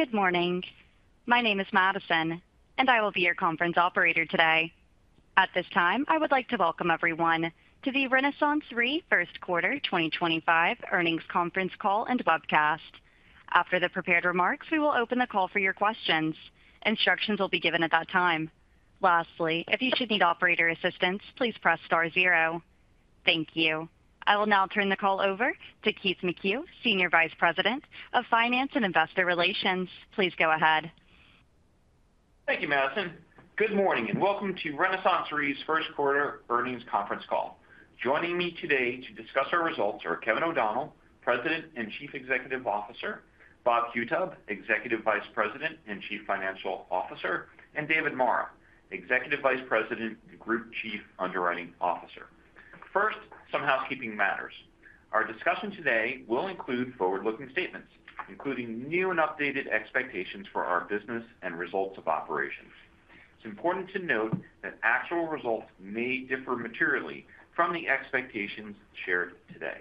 Good morning. My name is Madison, and I will be your conference operator today. At this time, I would like to welcome everyone to the RenaissanceRe First Quarter 2025 earnings conference call and webcast. After the prepared remarks, we will open the call for your questions. Instructions will be given at that time. Lastly, if you should need operator assistance, please press star zero. Thank you. I will now turn the call over to Keith McCue, Senior Vice President of Finance and Investor Relations. Please go ahead. Thank you, Madsson. Good morning and welcome to RenaissanceRe's First Quarter earnings conference call. Joining me today to discuss our results are Kevin O'Donnell, President and Chief Executive Officer; Bob Qutub, Executive Vice President and Chief Financial Officer; and David Marra, Executive Vice President and Group Chief Underwriting Officer. First, some housekeeping matters. Our discussion today will include forward-looking statements, including new and updated expectations for our business and results of operations. It's important to note that actual results may differ materially from the expectations shared today.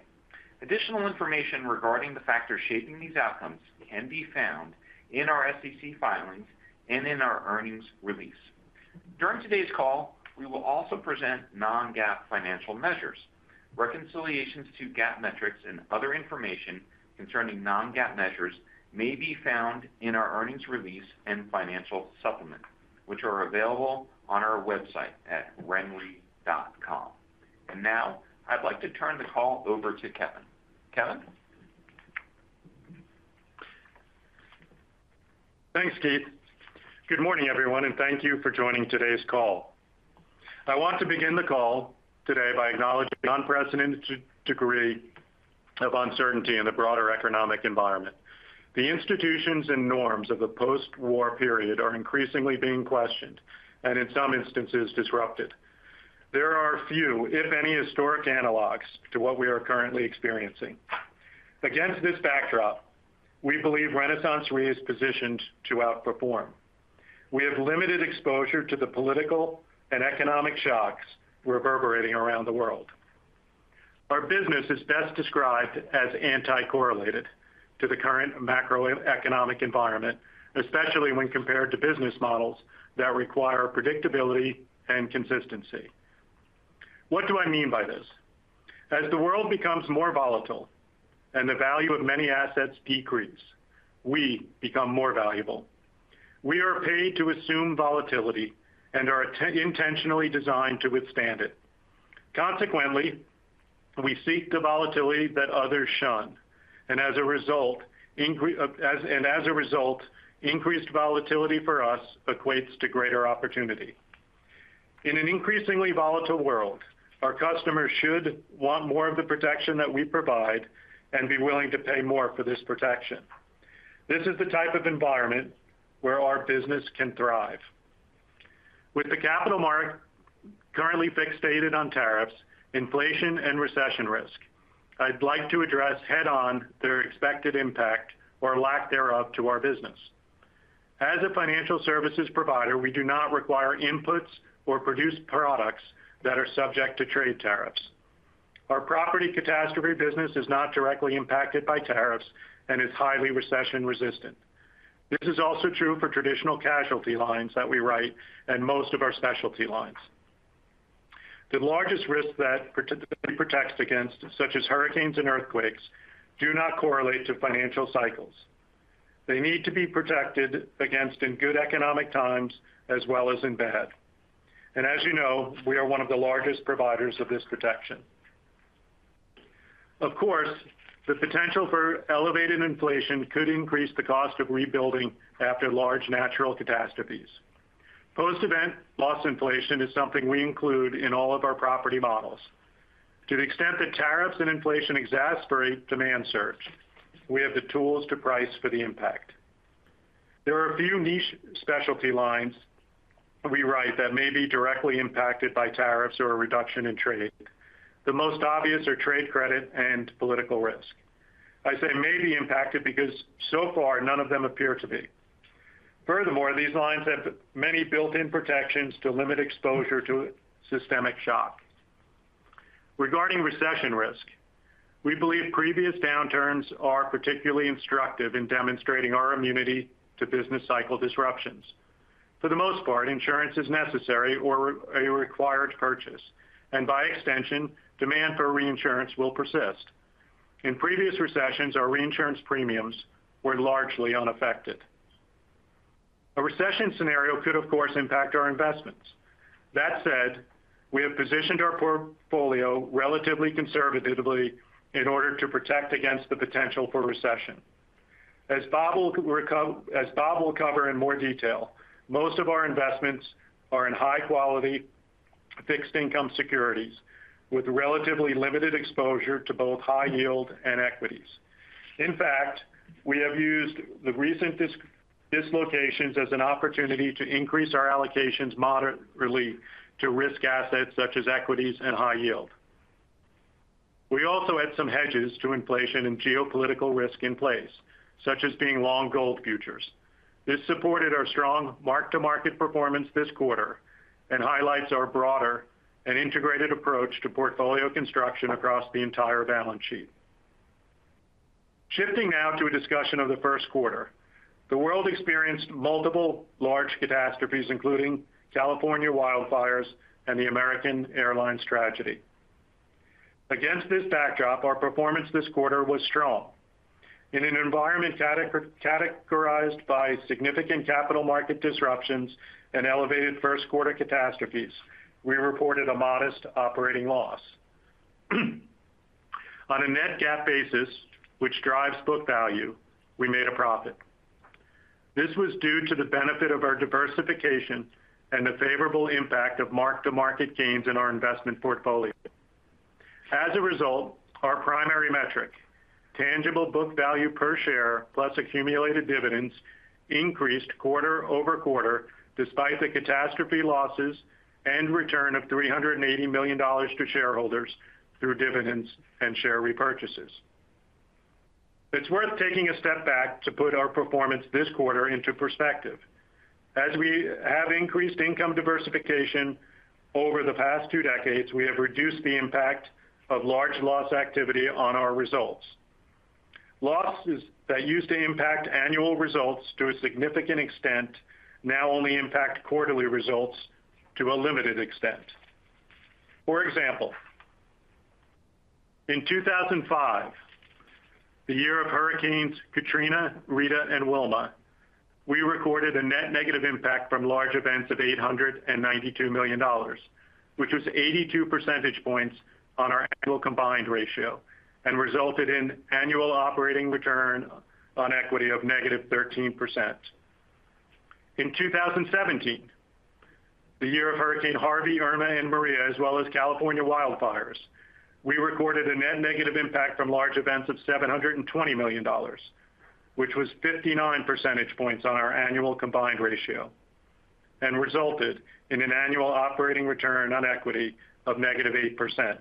Additional information regarding the factors shaping these outcomes can be found in our SEC filings and in our earnings release. During today's call, we will also present non-GAAP financial measures. Reconciliations to GAAP metrics and other information concerning non-GAAP measures may be found in our earnings release and financial supplement, which are available on our website at renre.com. Now, I'd like to turn the call over to Kevin. Kevin? Thanks, Keith. Good morning, everyone, and thank you for joining today's call. I want to begin the call today by acknowledging the unprecedented degree of uncertainty in the broader economic environment. The institutions and norms of the post-war period are increasingly being questioned and, in some instances, disrupted. There are few, if any, historic analogs to what we are currently experiencing. Against this backdrop, we believe RenaissanceRe is positioned to outperform. We have limited exposure to the political and economic shocks reverberating around the world. Our business is best described as anti-correlated to the current macroeconomic environment, especially when compared to business models that require predictability and consistency. What do I mean by this? As the world becomes more volatile and the value of many assets decrease, we become more valuable. We are paid to assume volatility and are intentionally designed to withstand it. Consequently, we seek the volatility that others shun, and as a result, increased volatility for us equates to greater opportunity. In an increasingly volatile world, our customers should want more of the protection that we provide and be willing to pay more for this protection. This is the type of environment where our business can thrive. With the capital market currently fixated on tariffs, inflation, and recession risk, I'd like to address head-on their expected impact or lack thereof to our business. As a financial services provider, we do not require inputs or produce products that are subject to trade tariffs. Our property catastrophe business is not directly impacted by tariffs and is highly recession-resistant. This is also true for traditional casualty lines that we write and most of our specialty lines. The largest risks that it protects against, such as hurricanes and earthquakes, do not correlate to financial cycles. They need to be protected against in good economic times as well as in bad. As you know, we are one of the largest providers of this protection. Of course, the potential for elevated inflation could increase the cost of rebuilding after large natural catastrophes. Post-event loss inflation is something we include in all of our property models. To the extent that tariffs and inflation exacerbate demand surge, we have the tools to price for the impact. There are a few niche specialty lines we write that may be directly impacted by tariffs or a reduction in trade. The most obvious are trade credit and political risk. I say may be impacted because so far none of them appear to be. Furthermore, these lines have many built-in protections to limit exposure to systemic shock. Regarding recession risk, we believe previous downturns are particularly instructive in demonstrating our immunity to business cycle disruptions. For the most part, insurance is necessary or a required purchase, and by extension, demand for reinsurance will persist. In previous recessions, our reinsurance premiums were largely unaffected. A recession scenario could, of course, impact our investments. That said, we have positioned our portfolio relatively conservatively in order to protect against the potential for recession. As Bob will cover in more detail, most of our investments are in high-quality fixed-income securities with relatively limited exposure to both high yield and equities. In fact, we have used the recent dislocations as an opportunity to increase our allocations moderately to risk assets such as equities and high yield. We also had some hedges to inflation and geopolitical risk in place, such as being long gold futures. This supported our strong mark-to-market performance this quarter and highlights our broader and integrated approach to portfolio construction across the entire balance sheet. Shifting now to a discussion of the first quarter, the world experienced multiple large catastrophes, including California wildfires and the American Airlines tragedy. Against this backdrop, our performance this quarter was strong. In an environment categorized by significant capital market disruptions and elevated first-quarter catastrophes, we reported a modest operating loss. On a net GAAP basis, which drives book value, we made a profit. This was due to the benefit of our diversification and the favorable impact of mark-to-market gains in our investment portfolio. As a result, our primary metric, tangible book value per share plus accumulated dividends, increased quarter-over- quarter despite the catastrophe losses and return of $380 million to shareholders through dividends and share repurchases. It's worth taking a step back to put our performance this quarter into perspective. As we have increased income diversification over the past two decades, we have reduced the impact of large loss activity on our results. Losses that used to impact annual results to a significant extent now only impact quarterly results to a limited extent. For example, in 2005, the year of hurricanes Katrina, Rita, and Wilma, we recorded a net negative impact from large events of $892 million, which was 82 percentage points on our annual combined ratio and resulted in annual operating return on equity of negative 13%. In 2017, the year of hurricane Harvey, Irma, and Maria, as well as California wildfires, we recorded a net negative impact from large events of $720 million, which was 59 percentage points on our annual combined ratio and resulted in an annual operating return on equity of negative 8%.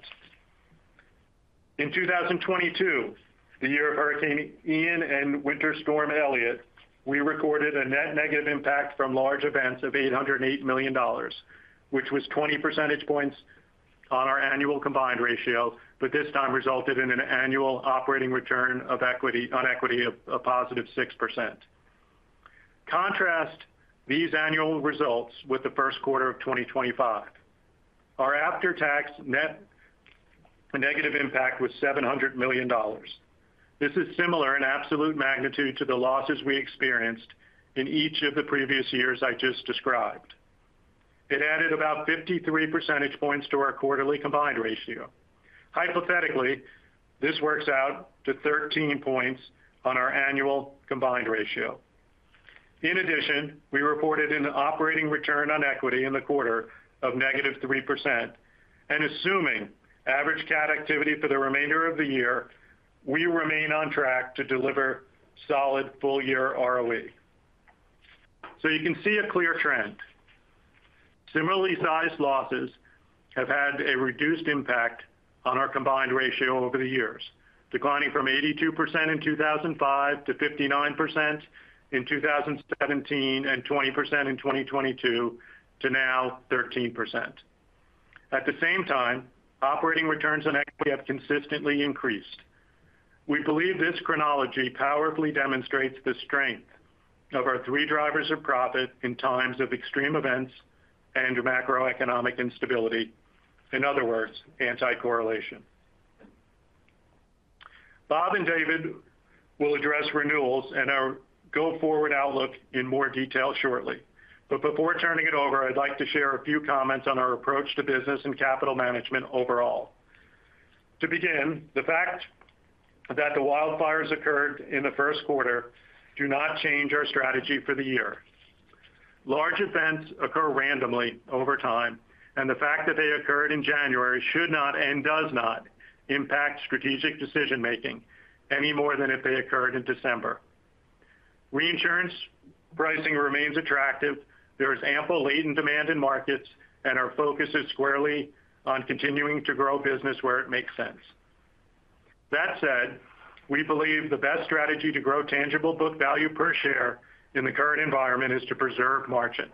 In 2022, the year of hurricane Ian and winter storm Elliott, we recorded a net negative impact from large events of $808 million, which was 20 percentage points on our annual combined ratio, but this time resulted in an annual operating return on equity of positive 6%. Contrast these annual results with the first quarter of 2025. Our after-tax net negative impact was $700 million. This is similar in absolute magnitude to the losses we experienced in each of the previous years I just described. It added about 53 percentage points to our quarterly combined ratio. Hypothetically, this works out to 13 points on our annual combined ratio. In addition, we reported an operating return on equity in the quarter of negative 3%. Assuming average Cat activity for the remainder of the year, we remain on track to deliver solid full-year ROE. You can see a clear trend. Similarly sized losses have had a reduced impact on our combined ratio over the years, declining from 82% in 2005 to 59% in 2017 and 20% in 2022 to now 13%. At the same time, operating returns on equity have consistently increased. We believe this chronology powerfully demonstrates the strength of our three drivers of profit in times of extreme events and macroeconomic instability. In other words, anti-correlation. Bob and David will address renewals and our go-forward outlook in more detail shortly. Before turning it over, I'd like to share a few comments on our approach to business and capital management overall. To begin, the fact that the wildfires occurred in the first quarter does not change our strategy for the year. Large events occur randomly over time, and the fact that they occurred in January should not and does not impact strategic decision-making any more than if they occurred in December. Reinsurance pricing remains attractive. There is ample latent demand in markets, and our focus is squarely on continuing to grow business where it makes sense. That said, we believe the best strategy to grow tangible book value per share in the current environment is to preserve margin.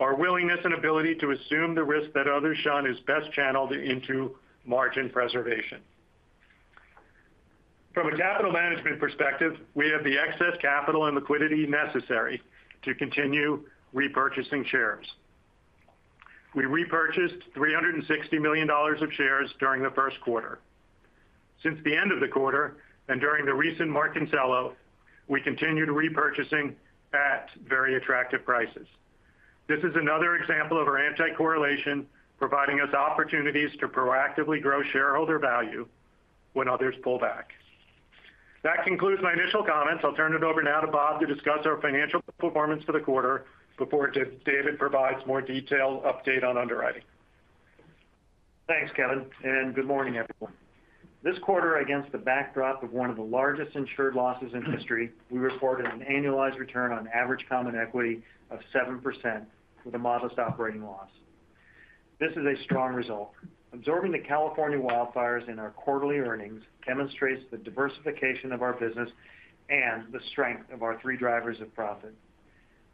Our willingness and ability to assume the risk that others shun is best channeled into margin preservation. From a capital management perspective, we have the excess capital and liquidity necessary to continue repurchasing shares. We repurchased $360 million of shares during the first quarter. Since the end of the quarter and during the recent market sell-off, we continued repurchasing at very attractive prices. This is another example of our anti-correlation providing us opportunities to proactively grow shareholder value when others pull back. That concludes my initial comments. I'll turn it over now to Bob to discuss our financial performance for the quarter before David provides more detailed update on underwriting. Thanks, Kevin, and good morning, everyone. This quarter, against the backdrop of one of the largest insured losses in history, we reported an annualized return on average common equity of 7% with a modest operating loss. This is a strong result. Absorbing the California wildfires in our quarterly earnings demonstrates the diversification of our business and the strength of our three drivers of profit.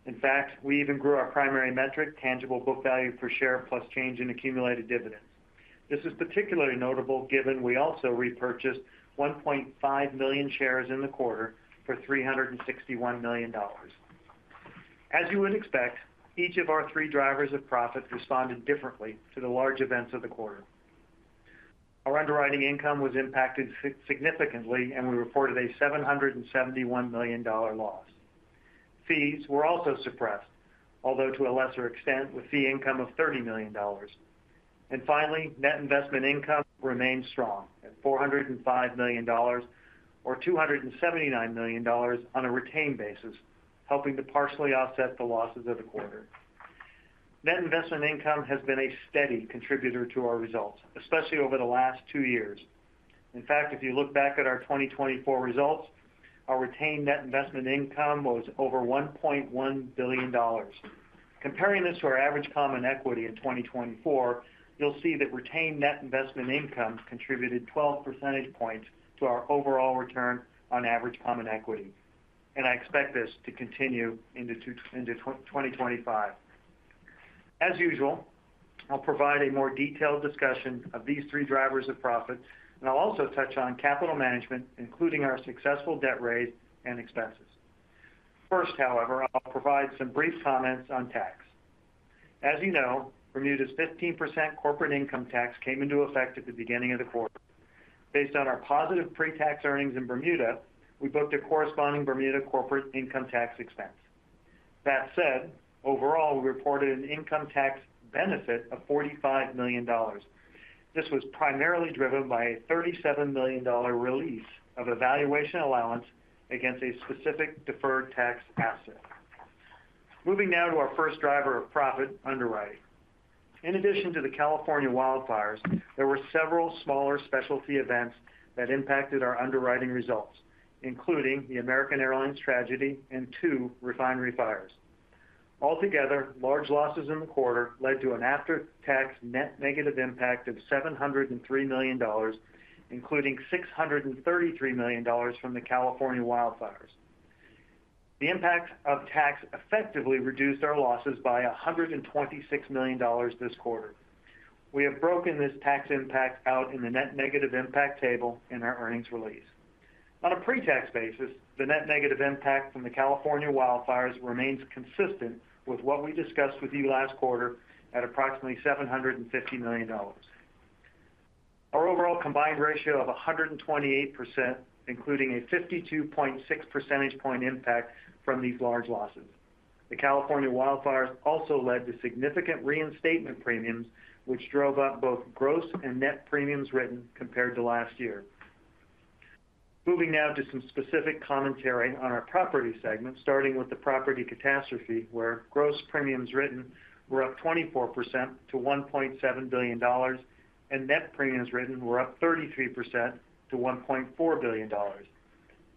In fact, we even grew our primary metric, tangible book value per share plus change in accumulated dividends. This is particularly notable given we also repurchased 1.5 million shares in the quarter for $361 million. As you would expect, each of our three drivers of profit responded differently to the large events of the quarter. Our underwriting income was impacted significantly, and we reported a $771 million loss. Fees were also suppressed, although to a lesser extent, with fee income of $30 million. Finally, net investment income remained strong at $405 million or $279 million on a retained basis, helping to partially offset the losses of the quarter. Net investment income has been a steady contributor to our results, especially over the last two years. In fact, if you look back at our 2024 results, our retained net investment income was over $1.1 billion. Comparing this to our average common equity in 2024, you'll see that retained net investment income contributed 12 percentage points to our overall return on average common equity. I expect this to continue into 2025. As usual, I'll provide a more detailed discussion of these three drivers of profit, and I'll also touch on capital management, including our successful debt raise and expenses. First, however, I'll provide some brief comments on tax. As you know, Bermuda's 15% corporate income tax came into effect at the beginning of the quarter. Based on our positive pre-tax earnings in Bermuda, we booked a corresponding Bermuda corporate income tax expense. That said, overall, we reported an income tax benefit of $45 million. This was primarily driven by a $37 million release of evaluation allowance against a specific deferred tax asset. Moving now to our first driver of profit, underwriting. In addition to the California wildfires, there were several smaller specialty events that impacted our underwriting results, including the American Airlines tragedy and two refinery fires. Altogether, large losses in the quarter led to an after-tax net negative impact of $703 million, including $633 million from the California wildfires. The impact of tax effectively reduced our losses by $126 million this quarter. We have broken this tax impact out in the net negative impact table in our earnings release. On a pre-tax basis, the net negative impact from the California wildfires remains consistent with what we discussed with you last quarter at approximately $750 million. Our overall combined ratio of 128%, including a 52.6 percentage point impact from these large losses. The California wildfires also led to significant reinstatement premiums, which drove up both gross and net premiums written compared to last year. Moving now to some specific commentary on our property segment, starting with the property catastrophe, where gross premiums written were up 24% to $1.7 billion and net premiums written were up 33% to $1.4 billion.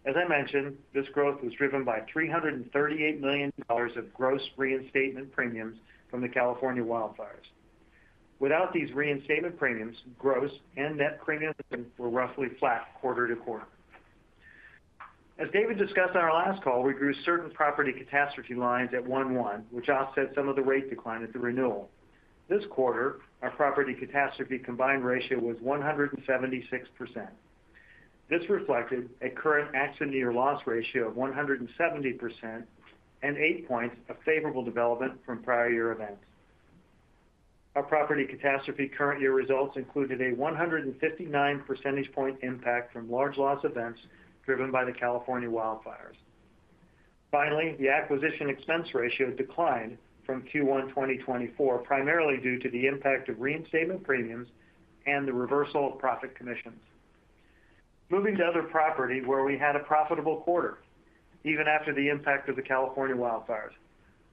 As I mentioned, this growth was driven by $338 million of gross reinstatement premiums from the California wildfires. Without these reinstatement premiums, gross and net premiums were roughly flat quarter to quarter. As David discussed on our last call, we grew certain property catastrophe lines at 1.1, which offset some of the rate decline at the renewal. This quarter, our property catastrophe combined ratio was 176%. This reflected a current accident-year loss ratio of 170% and 8 points of favorable development from prior year events. Our property catastrophe current year results included a 159 percentage point impact from large loss events driven by the California wildfires. Finally, the acquisition expense ratio declined from Q1 2024, primarily due to the impact of reinstatement premiums and the reversal of profit commissions. Moving to other property, where we had a profitable quarter, even after the impact of the California wildfires.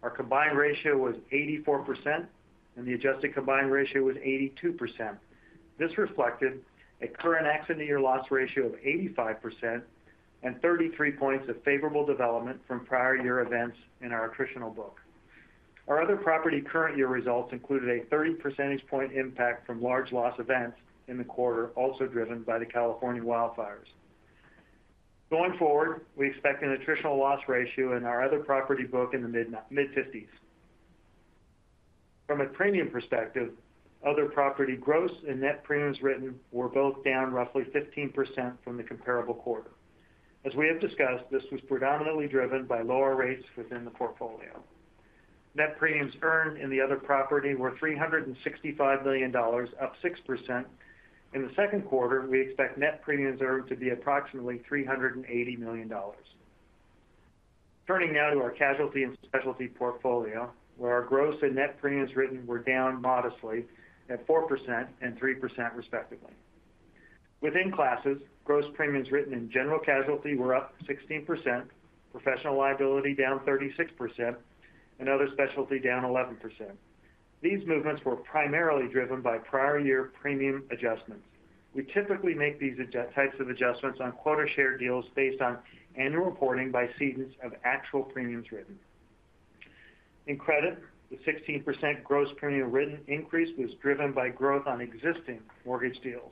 Our combined ratio was 84%, and the adjusted combined ratio was 82%. This reflected a current accident-year loss ratio of 85% and 33 points of favorable development from prior year events in our attritional book. Our other property current year results included a 30 percentage point impact from large loss events in the quarter, also driven by the California wildfires. Going forward, we expect an attritional loss ratio in our other property book in the mid-50s. From a premium perspective, other property gross and net premiums written were both down roughly 15% from the comparable quarter. As we have discussed, this was predominantly driven by lower rates within the portfolio. Net premiums earned in the other property were $365 million, up 6%. In the second quarter, we expect net premiums earned to be approximately $380 million. Turning now to our casualty and specialty portfolio, where our gross and net premiums written were down modestly at 4% and 3%, respectively. Within classes, gross premiums written in general casualty were up 16%, professional liability down 36%, and other specialty down 11%. These movements were primarily driven by prior year premium adjustments. We typically make these types of adjustments on quarter-share deals based on annual reporting by cedants of actual premiums written. In credit, the 16% gross premium written increase was driven by growth on existing mortgage deals.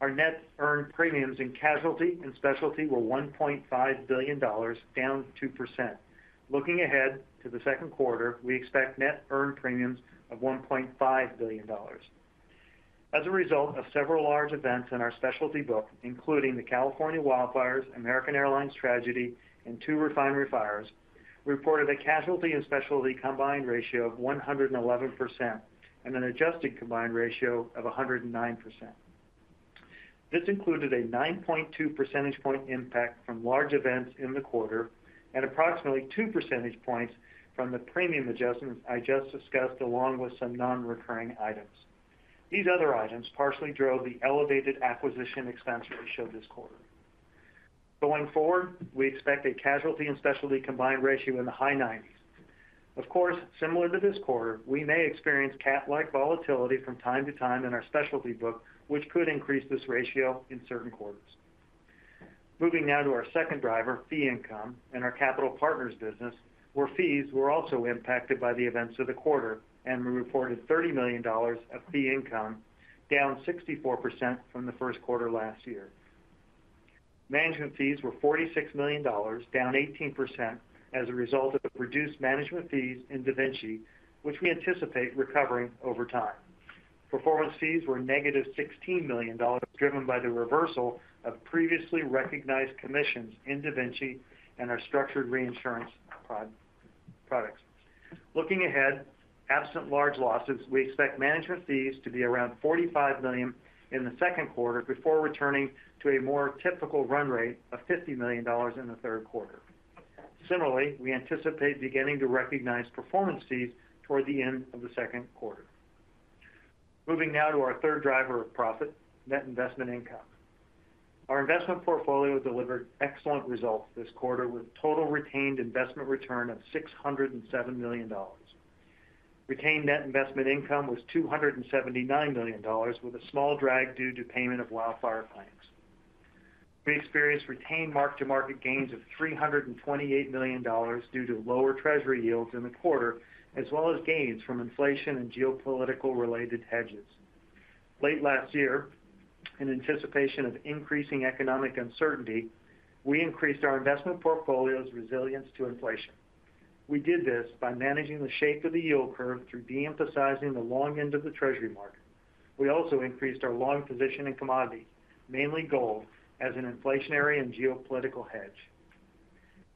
Our net earned premiums in casualty and specialty were $1.5 billion, down 2%. Looking ahead to the second quarter, we expect net earned premiums of $1.5 billion. As a result of several large events in our specialty book, including the California wildfires, American Airlines tragedy, and two refinery fires, we reported a casualty and specialty combined ratio of 111% and an adjusted combined ratio of 109%. This included a 9.2 percentage point impact from large events in the quarter and approximately 2 percentage points from the premium adjustments I just discussed, along with some non-recurring items. These other items partially drove the elevated acquisition expense ratio this quarter. Going forward, we expect a casualty and specialty combined ratio in the high 90s. Of course, similar to this quarter, we may experience CAT-like volatility from time to time in our specialty book, which could increase this ratio in certain quarters. Moving now to our second driver, fee income, and our capital partners' business, where fees were also impacted by the events of the quarter, and we reported $30 million of fee income, down 64% from the first quarter last year. Management fees were $46 million, down 18%, as a result of reduced management fees in DaVinci, which we anticipate recovering over time. Performance fees were negative $16 million, driven by the reversal of previously recognized commissions in DaVinci and our structured reinsurance products. Looking ahead, absent large losses, we expect management fees to be around $45 million in the second quarter before returning to a more typical run rate of $50 million in the third quarter. Similarly, we anticipate beginning to recognize performance fees toward the end of the second quarter. Moving now to our third driver of profit, net investment income. Our investment portfolio delivered excellent results this quarter with a total retained investment return of $607 million. Retained net investment income was $279 million, with a small drag due to payment of wildfire claims. We experienced retained mark-to-market gains of $328 million due to lower treasury yields in the quarter, as well as gains from inflation and geopolitical-related hedges. Late last year, in anticipation of increasing economic uncertainty, we increased our investment portfolio's resilience to inflation. We did this by managing the shape of the yield curve through de-emphasizing the long end of the treasury market. We also increased our long position in commodities, mainly gold, as an inflationary and geopolitical hedge.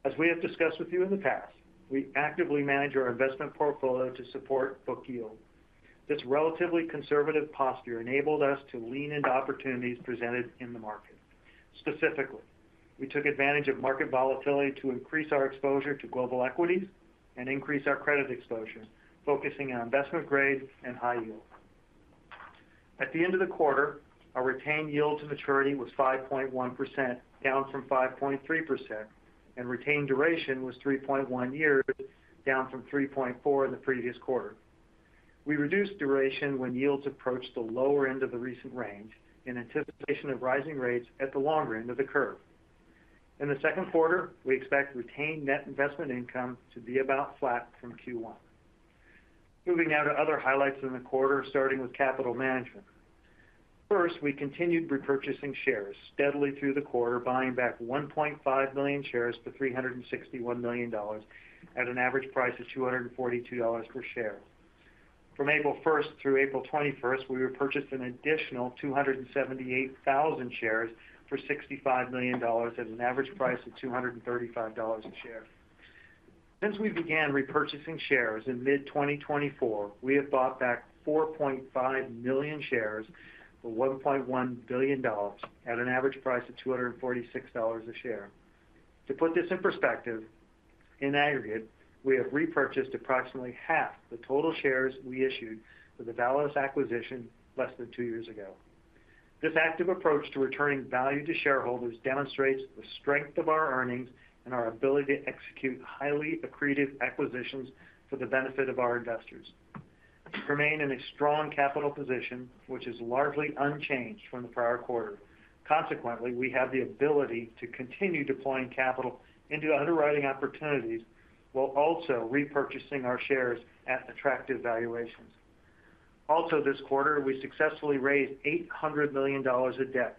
As we have discussed with you in the past, we actively manage our investment portfolio to support book yield. This relatively conservative posture enabled us to lean into opportunities presented in the market. Specifically, we took advantage of market volatility to increase our exposure to global equities and increase our credit exposure, focusing on investment-grade and high yield. At the end of the quarter, our retained yield to maturity was 5.1%, down from 5.3%, and retained duration was 3.1 years, down from 3.4 in the previous quarter. We reduced duration when yields approached the lower end of the recent range in anticipation of rising rates at the longer end of the curve. In the second quarter, we expect retained net investment income to be about flat from Q1. Moving now to other highlights in the quarter, starting with capital management. First, we continued repurchasing shares steadily through the quarter, buying back 1.5 million shares for $361 million at an average price of $242 per share. From April 1 through April 21, we repurchased an additional 278,000 shares for $65 million at an average price of $235 a share. Since we began repurchasing shares in mid-2024, we have bought back 4.5 million shares for $1.1 billion at an average price of $246 a share. To put this in perspective, in aggregate, we have repurchased approximately half the total shares we issued with a Validus acquisition less than two years ago. This active approach to returning value to shareholders demonstrates the strength of our earnings and our ability to execute highly accretive acquisitions for the benefit of our investors. We remain in a strong capital position, which is largely unchanged from the prior quarter. Consequently, we have the ability to continue deploying capital into underwriting opportunities while also repurchasing our shares at attractive valuations. Also, this quarter, we successfully raised $800 million of debt,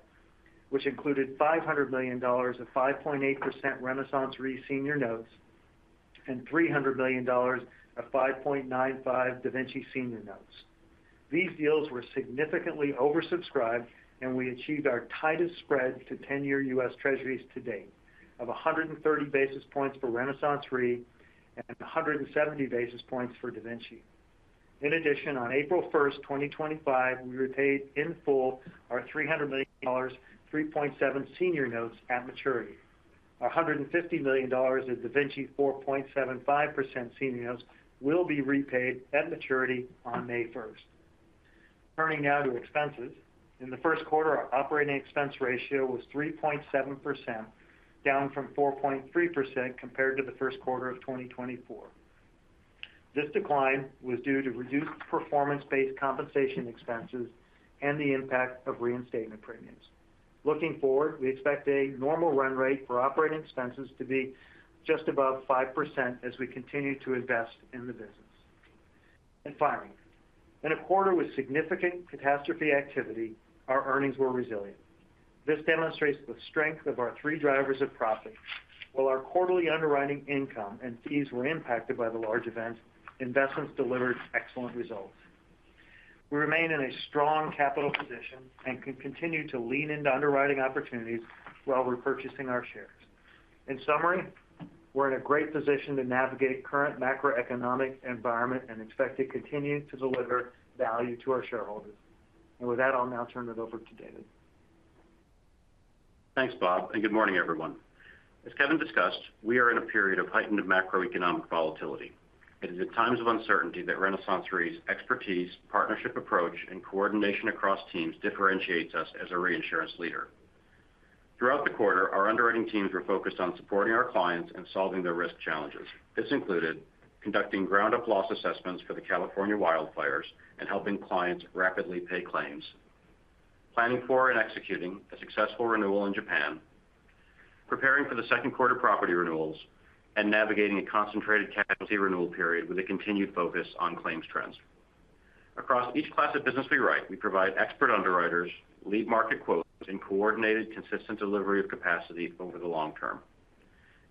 which included $500 million of 5.8% RenaissanceRe senior notes and $300 million of 5.95% DaVinci senior notes. These deals were significantly oversubscribed, and we achieved our tightest spread to 10-year US Treasuries to date of 130 basis points for RenaissanceRe and 170 basis points for DaVinci. In addition, on April 1, 2025, we repaid in full our $300 million, 3.7% senior notes at maturity. Our $150 million of DaVinci 4.75% senior notes will be repaid at maturity on May 1st. Turning now to expenses, in the first quarter, our operating expense ratio was 3.7%, down from 4.3% compared to the first quarter of 2024. This decline was due to reduced performance-based compensation expenses and the impact of reinstatement premiums. Looking forward, we expect a normal run rate for operating expenses to be just above 5% as we continue to invest in the business. In a quarter with significant catastrophe activity, our earnings were resilient. This demonstrates the strength of our three drivers of profit. While our quarterly underwriting income and fees were impacted by the large events, investments delivered excellent results. We remain in a strong capital position and can continue to lean into underwriting opportunities while repurchasing our shares. In summary, we're in a great position to navigate current macroeconomic environment and expect to continue to deliver value to our shareholders. I'll now turn it over to David. Thanks, Bob, and good morning, everyone. As Kevin discussed, we are in a period of heightened macroeconomic volatility. It is in times of uncertainty that RenaissanceRe's expertise, partnership approach, and coordination across teams differentiates us as a reinsurance leader. Throughout the quarter, our underwriting teams were focused on supporting our clients and solving their risk challenges. This included conducting ground-up loss assessments for the California wildfires and helping clients rapidly pay claims, planning for and executing a successful renewal in Japan, preparing for the second quarter property renewals, and navigating a concentrated casualty renewal period with a continued focus on claims trends. Across each class of business we write, we provide expert underwriters, lead market quotes, and coordinated, consistent delivery of capacity over the long term.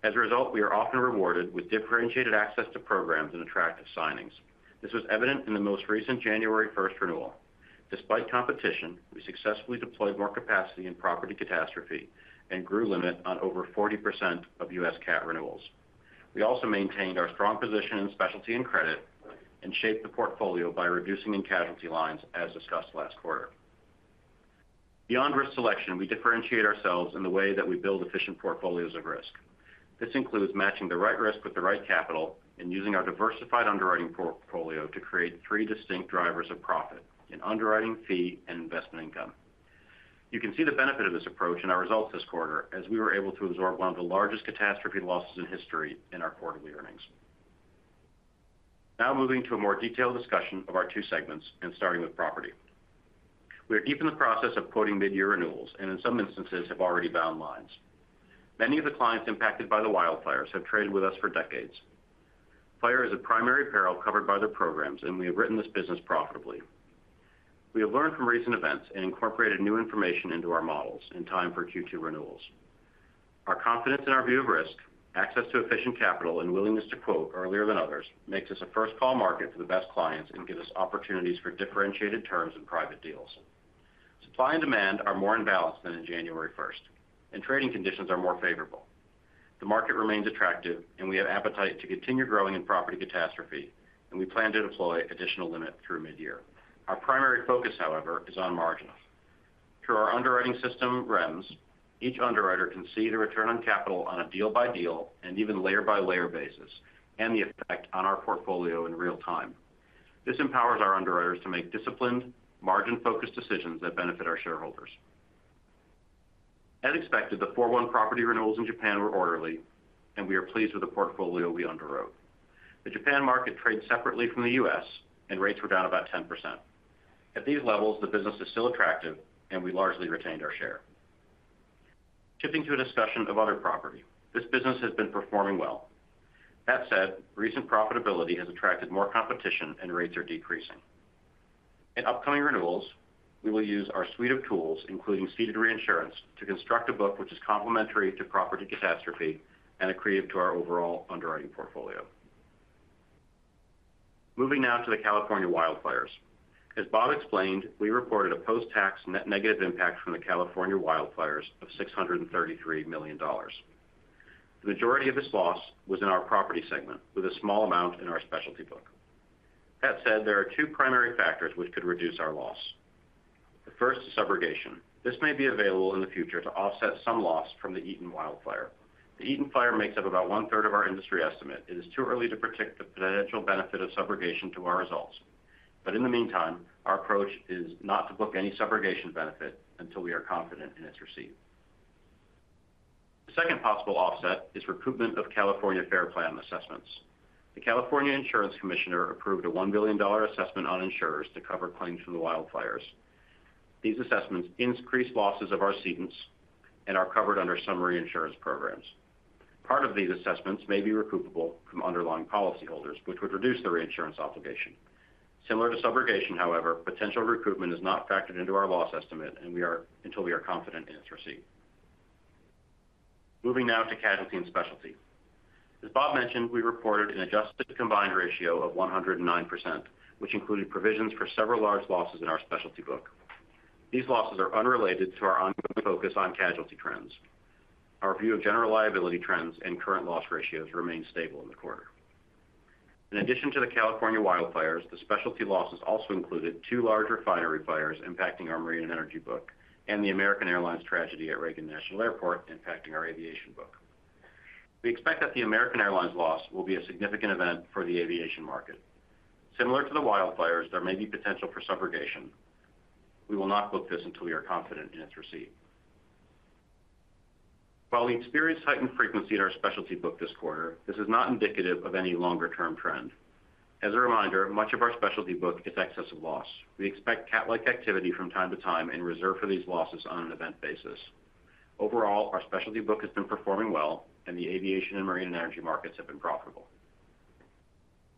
As a result, we are often rewarded with differentiated access to programs and attractive signings. This was evident in the most recent January 1 renewal. Despite competition, we successfully deployed more capacity in property catastrophe and grew limit on over 40% of US CAAT renewals. We also maintained our strong position in specialty and credit and shaped the portfolio by reducing in casualty lines, as discussed last quarter. Beyond risk selection, we differentiate ourselves in the way that we build efficient portfolios of risk. This includes matching the right risk with the right capital and using our diversified underwriting portfolio to create three distinct drivers of profit: underwriting, fee, and investment income. You can see the benefit of this approach in our results this quarter, as we were able to absorb one of the largest catastrophe losses in history in our quarterly earnings. Now moving to a more detailed discussion of our two segments and starting with property. We are deep in the process of quoting mid-year renewals and, in some instances, have already bound lines. Many of the clients impacted by the wildfires have traded with us for decades. Fire is a primary peril covered by the programs, and we have written this business profitably. We have learned from recent events and incorporated new information into our models in time for Q2 renewals. Our confidence in our view of risk, access to efficient capital, and willingness to quote earlier than others makes us a first-call market for the best clients and gives us opportunities for differentiated terms and private deals. Supply and demand are more in balance than on January 1, and trading conditions are more favorable. The market remains attractive, and we have appetite to continue growing in property catastrophe, and we plan to deploy additional limit through mid-year. Our primary focus, however, is on margins. Through our underwriting system, REMS, each underwriter can see the return on capital on a deal-by-deal and even layer-by-layer basis and the effect on our portfolio in real time. This empowers our underwriters to make disciplined, margin-focused decisions that benefit our shareholders. As expected, the 4-1 property renewals in Japan were orderly, and we are pleased with the portfolio we underwrote. The Japan market traded separately from the US, and rates were down about 10%. At these levels, the business is still attractive, and we largely retained our share. Shifting to a discussion of other property, this business has been performing well. That said, recent profitability has attracted more competition, and rates are decreasing. In upcoming renewals, we will use our suite of tools, including ceded reinsurance, to construct a book which is complementary to property catastrophe and accretive to our overall underwriting portfolio. Moving now to the California wildfires. As Bob explained, we reported a post-tax net negative impact from the California wildfires of $633 million. The majority of this loss was in our property segment, with a small amount in our specialty book. That said, there are two primary factors which could reduce our loss. The first is subrogation. This may be available in the future to offset some loss from the Eaton wildfire. The Eaton fire makes up about one-third of our industry estimate. It is too early to predict the potential benefit of subrogation to our results. In the meantime, our approach is not to book any subrogation benefit until we are confident in its receipt. The second possible offset is recoupment of California Fair Plan assessments. The California Insurance Commissioner approved a $1 billion assessment on insurers to cover claims from the wildfires. These assessments increase losses of our cedants and are covered under some reinsurance programs. Part of these assessments may be recoupable from underlying policyholders, which would reduce the reinsurance obligation. Similar to subrogation, however, potential recoupment is not factored into our loss estimate until we are confident in its receipt. Moving now to casualty and specialty. As Bob mentioned, we reported an adjusted combined ratio of 109%, which included provisions for several large losses in our specialty book. These losses are unrelated to our ongoing focus on casualty trends. Our view of general liability trends and current loss ratios remained stable in the quarter. In addition to the California wildfires, the specialty losses also included two large refinery fires impacting our marine and energy book and the American Airlines tragedy at Reagan National Airport impacting our aviation book. We expect that the American Airlines loss will be a significant event for the aviation market. Similar to the wildfires, there may be potential for subrogation. We will not book this until we are confident in its receipt. While we experience heightened frequency in our specialty book this quarter, this is not indicative of any longer-term trend. As a reminder, much of our specialty book is excess loss. We expect cat-like activity from time to time and reserve for these losses on an event basis. Overall, our specialty book has been performing well, and the aviation and marine and energy markets have been profitable.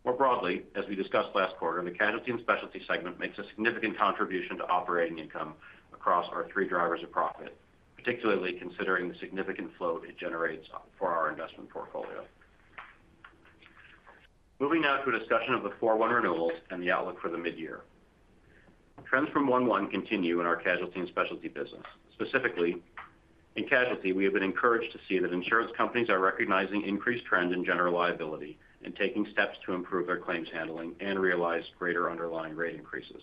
More broadly, as we discussed last quarter, the casualty and specialty segment makes a significant contribution to operating income across our three drivers of profit, particularly considering the significant float it generates for our investment portfolio. Moving now to a discussion of the 4-1 renewals and the outlook for the mid-year. Trends from 1-1 continue in our casualty and specialty business. Specifically, in casualty, we have been encouraged to see that insurance companies are recognizing increased trend in general liability and taking steps to improve their claims handling and realize greater underlying rate increases.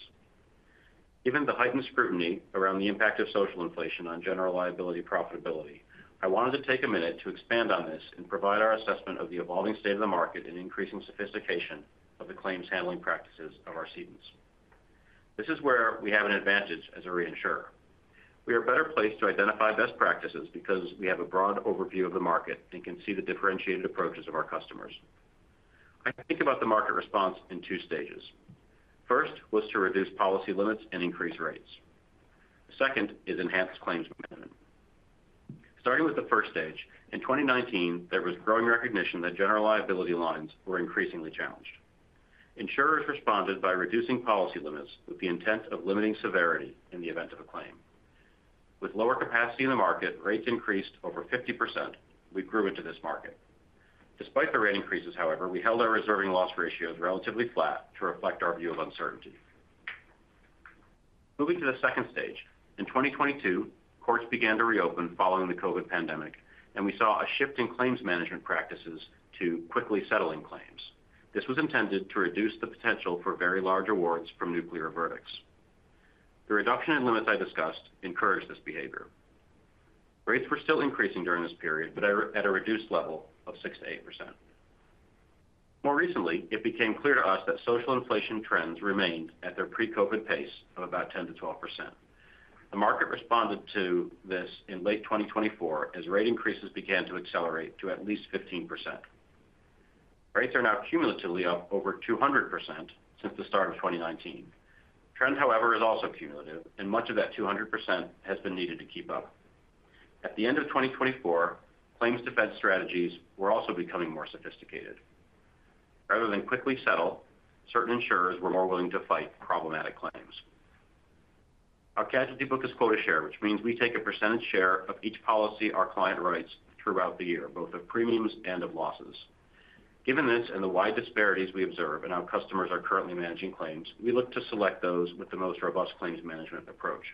Given the heightened scrutiny around the impact of social inflation on general liability profitability, I wanted to take a minute to expand on this and provide our assessment of the evolving state of the market and increasing sophistication of the claims handling practices of our cedants. This is where we have an advantage as a reinsurer. We are better placed to identify best practices because we have a broad overview of the market and can see the differentiated approaches of our customers. I think about the market response in two stages. First was to reduce policy limits and increase rates. Second is enhanced claims management. Starting with the first stage, in 2019, there was growing recognition that general liability lines were increasingly challenged. Insurers responded by reducing policy limits with the intent of limiting severity in the event of a claim. With lower capacity in the market, rates increased over 50%. We grew into this market. Despite the rate increases, however, we held our reserving loss ratios relatively flat to reflect our view of uncertainty. Moving to the second stage, in 2022, courts began to reopen following the COVID pandemic, and we saw a shift in claims management practices to quickly settling claims. This was intended to reduce the potential for very large awards from nuclear verdicts. The reduction in limits I discussed encouraged this behavior. Rates were still increasing during this period, but at a reduced level of 6-8%. More recently, it became clear to us that social inflation trends remained at their pre-COVID pace of about 10-12%. The market responded to this in late 2024 as rate increases began to accelerate to at least 15%. Rates are now cumulatively up over 200% since the start of 2019. Trend, however, is also cumulative, and much of that 200% has been needed to keep up. At the end of 2024, claims defense strategies were also becoming more sophisticated. Rather than quickly settle, certain insurers were more willing to fight problematic claims. Our casualty book is quota share, which means we take a percentage share of each policy our client writes throughout the year, both of premiums and of losses. Given this and the wide disparities we observe in how customers are currently managing claims, we look to select those with the most robust claims management approach.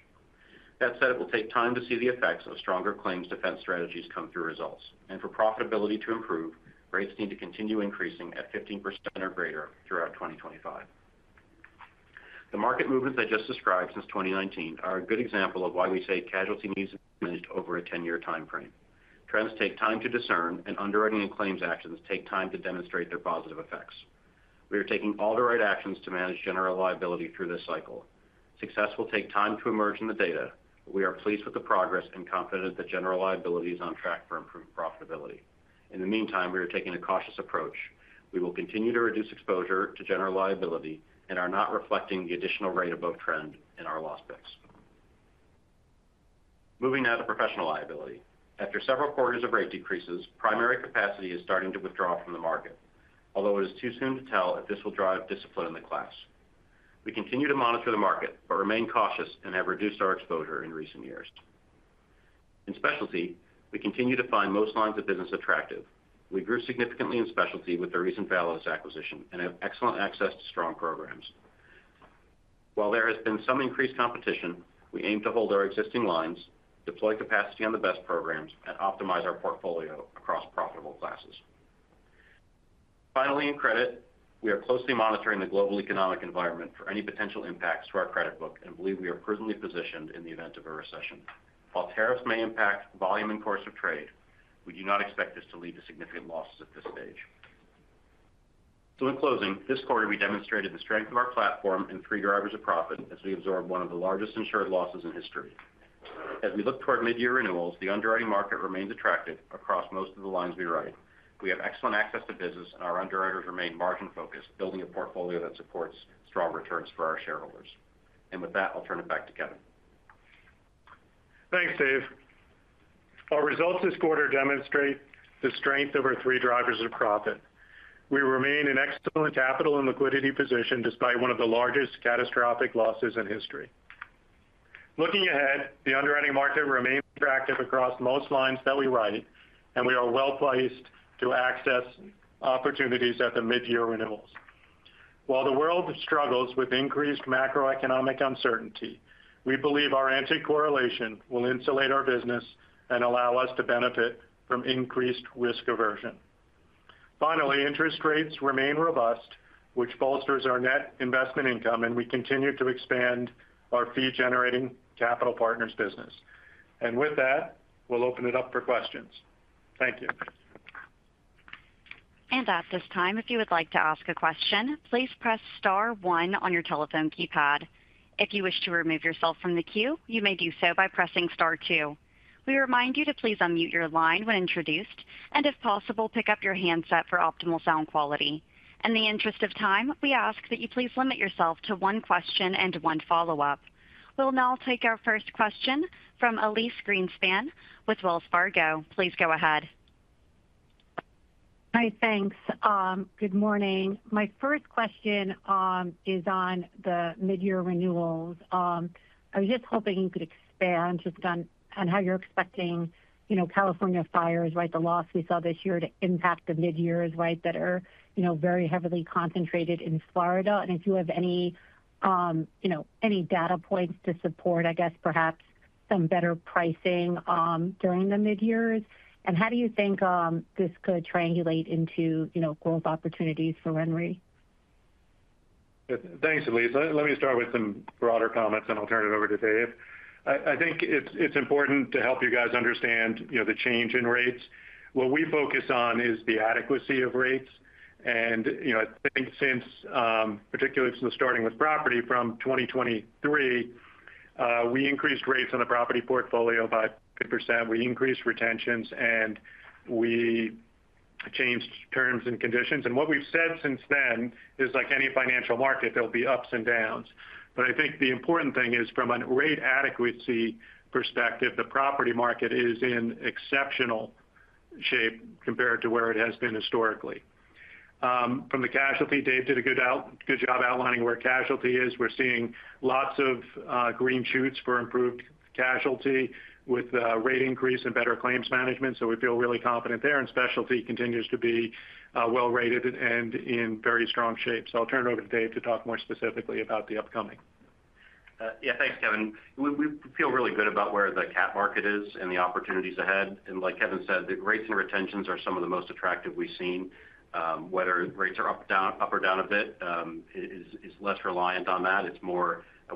That said, it will take time to see the effects of stronger claims defense strategies come through results. For profitability to improve, rates need to continue increasing at 15% or greater throughout 2025. The market movements I just described since 2019 are a good example of why we say casualty needs managed over a 10-year timeframe. Trends take time to discern, and underwriting and claims actions take time to demonstrate their positive effects. We are taking all the right actions to manage general liability through this cycle. Success will take time to emerge in the data, but we are pleased with the progress and confident that general liability is on track for improved profitability. In the meantime, we are taking a cautious approach. We will continue to reduce exposure to general liability and are not reflecting the additional rate above trend in our loss picks. Moving now to professional liability. After several quarters of rate decreases, primary capacity is starting to withdraw from the market, although it is too soon to tell if this will drive discipline in the class. We continue to monitor the market, but remain cautious and have reduced our exposure in recent years. In specialty, we continue to find most lines of business attractive. We grew significantly in specialty with the recent Validus acquisition and have excellent access to strong programs. While there has been some increased competition, we aim to hold our existing lines, deploy capacity on the best programs, and optimize our portfolio across profitable classes. Finally, in credit, we are closely monitoring the global economic environment for any potential impacts to our credit book and believe we are presently positioned in the event of a recession. While tariffs may impact volume and course of trade, we do not expect this to lead to significant losses at this stage. In closing, this quarter, we demonstrated the strength of our platform and three drivers of profit as we absorbed one of the largest insured losses in history. As we look toward mid-year renewals, the underwriting market remains attractive across most of the lines we write. We have excellent access to business, and our underwriters remain margin-focused, building a portfolio that supports strong returns for our shareholders. With that, I'll turn it back to Kevin. Thanks, Dave. Our results this quarter demonstrate the strength of our three drivers of profit. We remain in excellent capital and liquidity position despite one of the largest catastrophic losses in history. Looking ahead, the underwriting market remains attractive across most lines that we write, and we are well placed to access opportunities at the mid-year renewals. While the world struggles with increased macroeconomic uncertainty, we believe our anti-correlation will insulate our business and allow us to benefit from increased risk aversion. Finally, interest rates remain robust, which bolsters our net investment income, and we continue to expand our fee-generating capital partners business. With that, we'll open it up for questions. Thank you. At this time, if you would like to ask a question, please press star one on your telephone keypad. If you wish to remove yourself from the queue, you may do so by pressing star two. We remind you to please unmute your line when introduced, and if possible, pick up your handset for optimal sound quality. In the interest of time, we ask that you please limit yourself to one question and one follow-up. We'll now take our first question from Elyse Greenspan with Wells Fargo. Please go ahead. Hi, thanks. Good morning. My first question is on the mid-year renewals. I was just hoping you could expand just on how you're expecting California fires, the loss we saw this year to impact the mid-years that are very heavily concentrated in Florida. If you have any data points to support, I guess, perhaps some better pricing during the mid-years. How do you think this could triangulate into growth opportunities for RenRe? Thanks, Elise. Let me start with some broader comments, and I'll turn it over to Dave. I think it's important to help you guys understand the change in rates. What we focus on is the adequacy of rates. I think since, particularly from the starting with property from 2023, we increased rates on the property portfolio by 50%. We increased retentions, and we changed terms and conditions. What we've said since then is, like any financial market, there'll be ups and downs. I think the important thing is, from a rate adequacy perspective, the property market is in exceptional shape compared to where it has been historically. From the casualty, Dave did a good job outlining where casualty is. We're seeing lots of green shoots for improved casualty with rate increase and better claims management. We feel really confident there. Specialty continues to be well-rated and in very strong shape. I'll turn it over to Dave to talk more specifically about the upcoming. Yeah, thanks, Kevin. We feel really good about where the CAT market is and the opportunities ahead. Like Kevin said, the rates and retentions are some of the most attractive we've seen. Whether rates are up or down a bit is less reliant on that.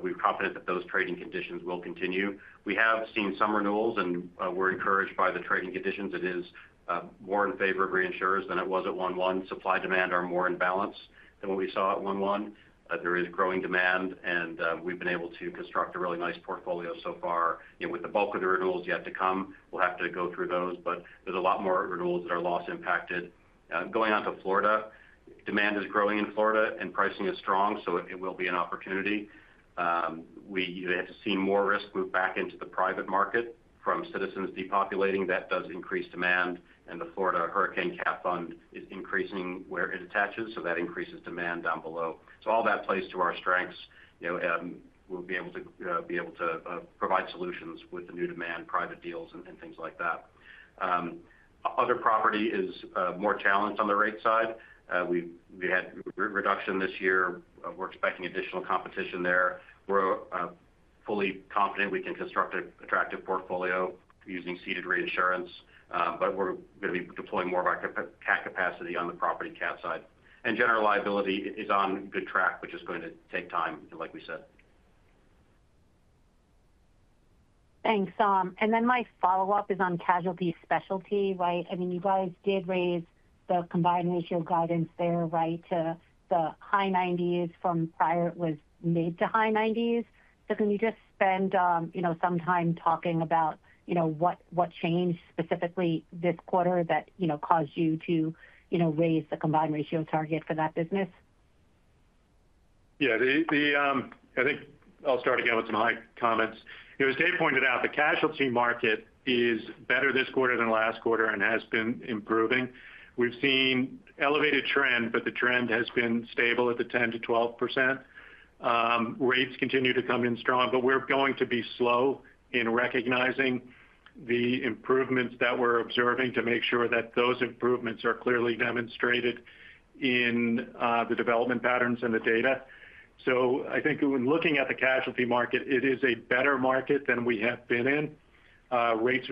We're confident that those trading conditions will continue. We have seen some renewals, and we're encouraged by the trading conditions. It is more in favor of reinsurers than it was at 1-1. Supply and demand are more in balance than what we saw at 1-1. There is growing demand, and we've been able to construct a really nice portfolio so far. With the bulk of the renewals yet to come, we will have to go through those. There are a lot more renewals that are loss-impacted. Going on to Florida, demand is growing in Florida, and pricing is strong, so it will be an opportunity. We have seen more risk move back into the private market from Citizens depopulating. That does increase demand. The Florida Hurricane Cat Fund is increasing where it attaches, so that increases demand down below. All that plays to our strengths. We'll be able to provide solutions with the new demand, private deals, and things like that. Other property is more challenged on the rate side. We had reduction this year. We're expecting additional competition there. We're fully confident we can construct an attractive portfolio using ceded reinsurance, but we're going to be deploying more of our cap capacity on the property CAT side. General liability is on good track, which is going to take time, like we said. Thanks. My follow-up is on casualty specialty. I mean, you guys did raise the combined ratio guidance there, right? The high 90s from prior was mid to high 90s. Can you just spend some time talking about what changed specifically this quarter that caused you to raise the combined ratio target for that business? I think I'll start again with some high comments. As Dave pointed out, the casualty market is better this quarter than last quarter and has been improving. We've seen elevated trend, but the trend has been stable at the 10%-12%. Rates continue to come in strong, but we're going to be slow in recognizing the improvements that we're observing to make sure that those improvements are clearly demonstrated in the development patterns and the data. I think when looking at the casualty market, it is a better market than we have been in. Rates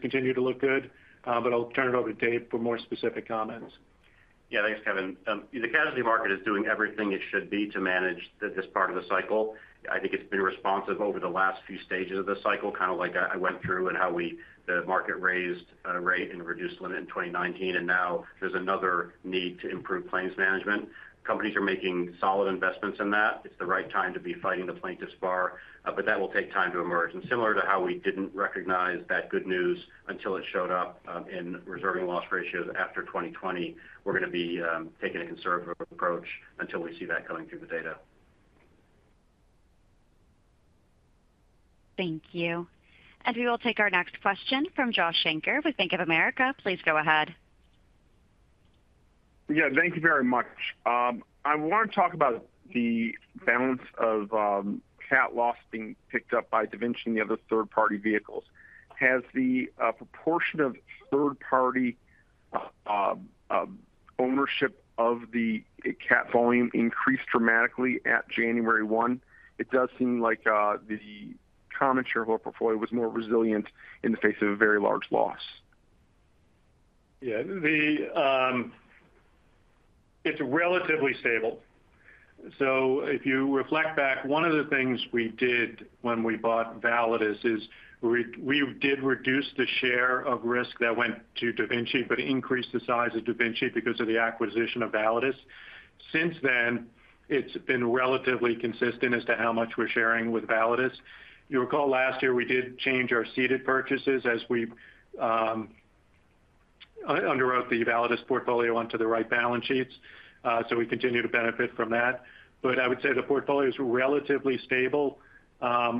continue to look good, but I'll turn it over to Dave for more specific comments. Yeah, thanks, Kevin. The casualty market is doing everything it should be to manage this part of the cycle. I think it's been responsive over the last few stages of the cycle, kind of like I went through and how the market raised rate and reduced limit in 2019. Now there's another need to improve claims management. Companies are making solid investments in that. It's the right time to be fighting the plaintiff's bar, but that will take time to emerge. Similar to how we didn't recognize that good news until it showed up in reserving loss ratios after 2020, we're going to be taking a conservative approach until we see that coming through the data. Thank you. We will take our next question from Josh Shanker with Bank of America. Please go ahead. Yeah, thank you very much. I want to talk about the balance of cap loss being picked up by DaVinci and the other third-party vehicles. Has the proportion of third-party ownership of the cap volume increased dramatically at January 1? It does seem like the common shareholder portfolio was more resilient in the face of a very large loss. Yeah, it's relatively stable. If you reflect back, one of the things we did when we bought Validus is we did reduce the share of risk that went to DaVinci, but increased the size of DaVinci because of the acquisition of Validus. Since then, it's been relatively consistent as to how much we're sharing with Validus. You'll recall last year we did change our seated purchases as we underwrote the Validus portfolio onto the right balance sheets. We continue to benefit from that. I would say the portfolio is relatively stable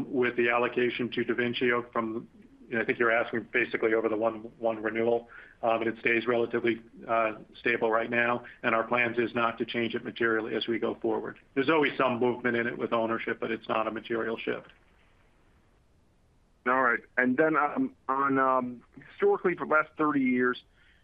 with the allocation to DaVinci from, I think you're asking basically over the one renewal, but it stays relatively stable right now. Our plan is not to change it materially as we go forward. There is always some movement in it with ownership, but it is not a material shift. All right. Historically, for the last 30 years,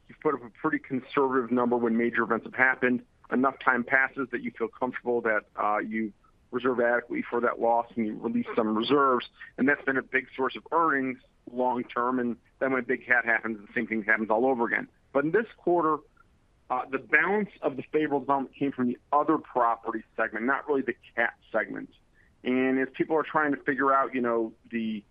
you have put up a pretty conservative number when major events have happened. Enough time passes that you feel comfortable that you reserve adequately for that loss and you release some reserves. That has been a big source of earnings long term. When a big CAT happens, the same thing happens all over again. In this quarter, the balance of the favorable development came from the other property segment, not really the CAT segment. As people are trying to figure out the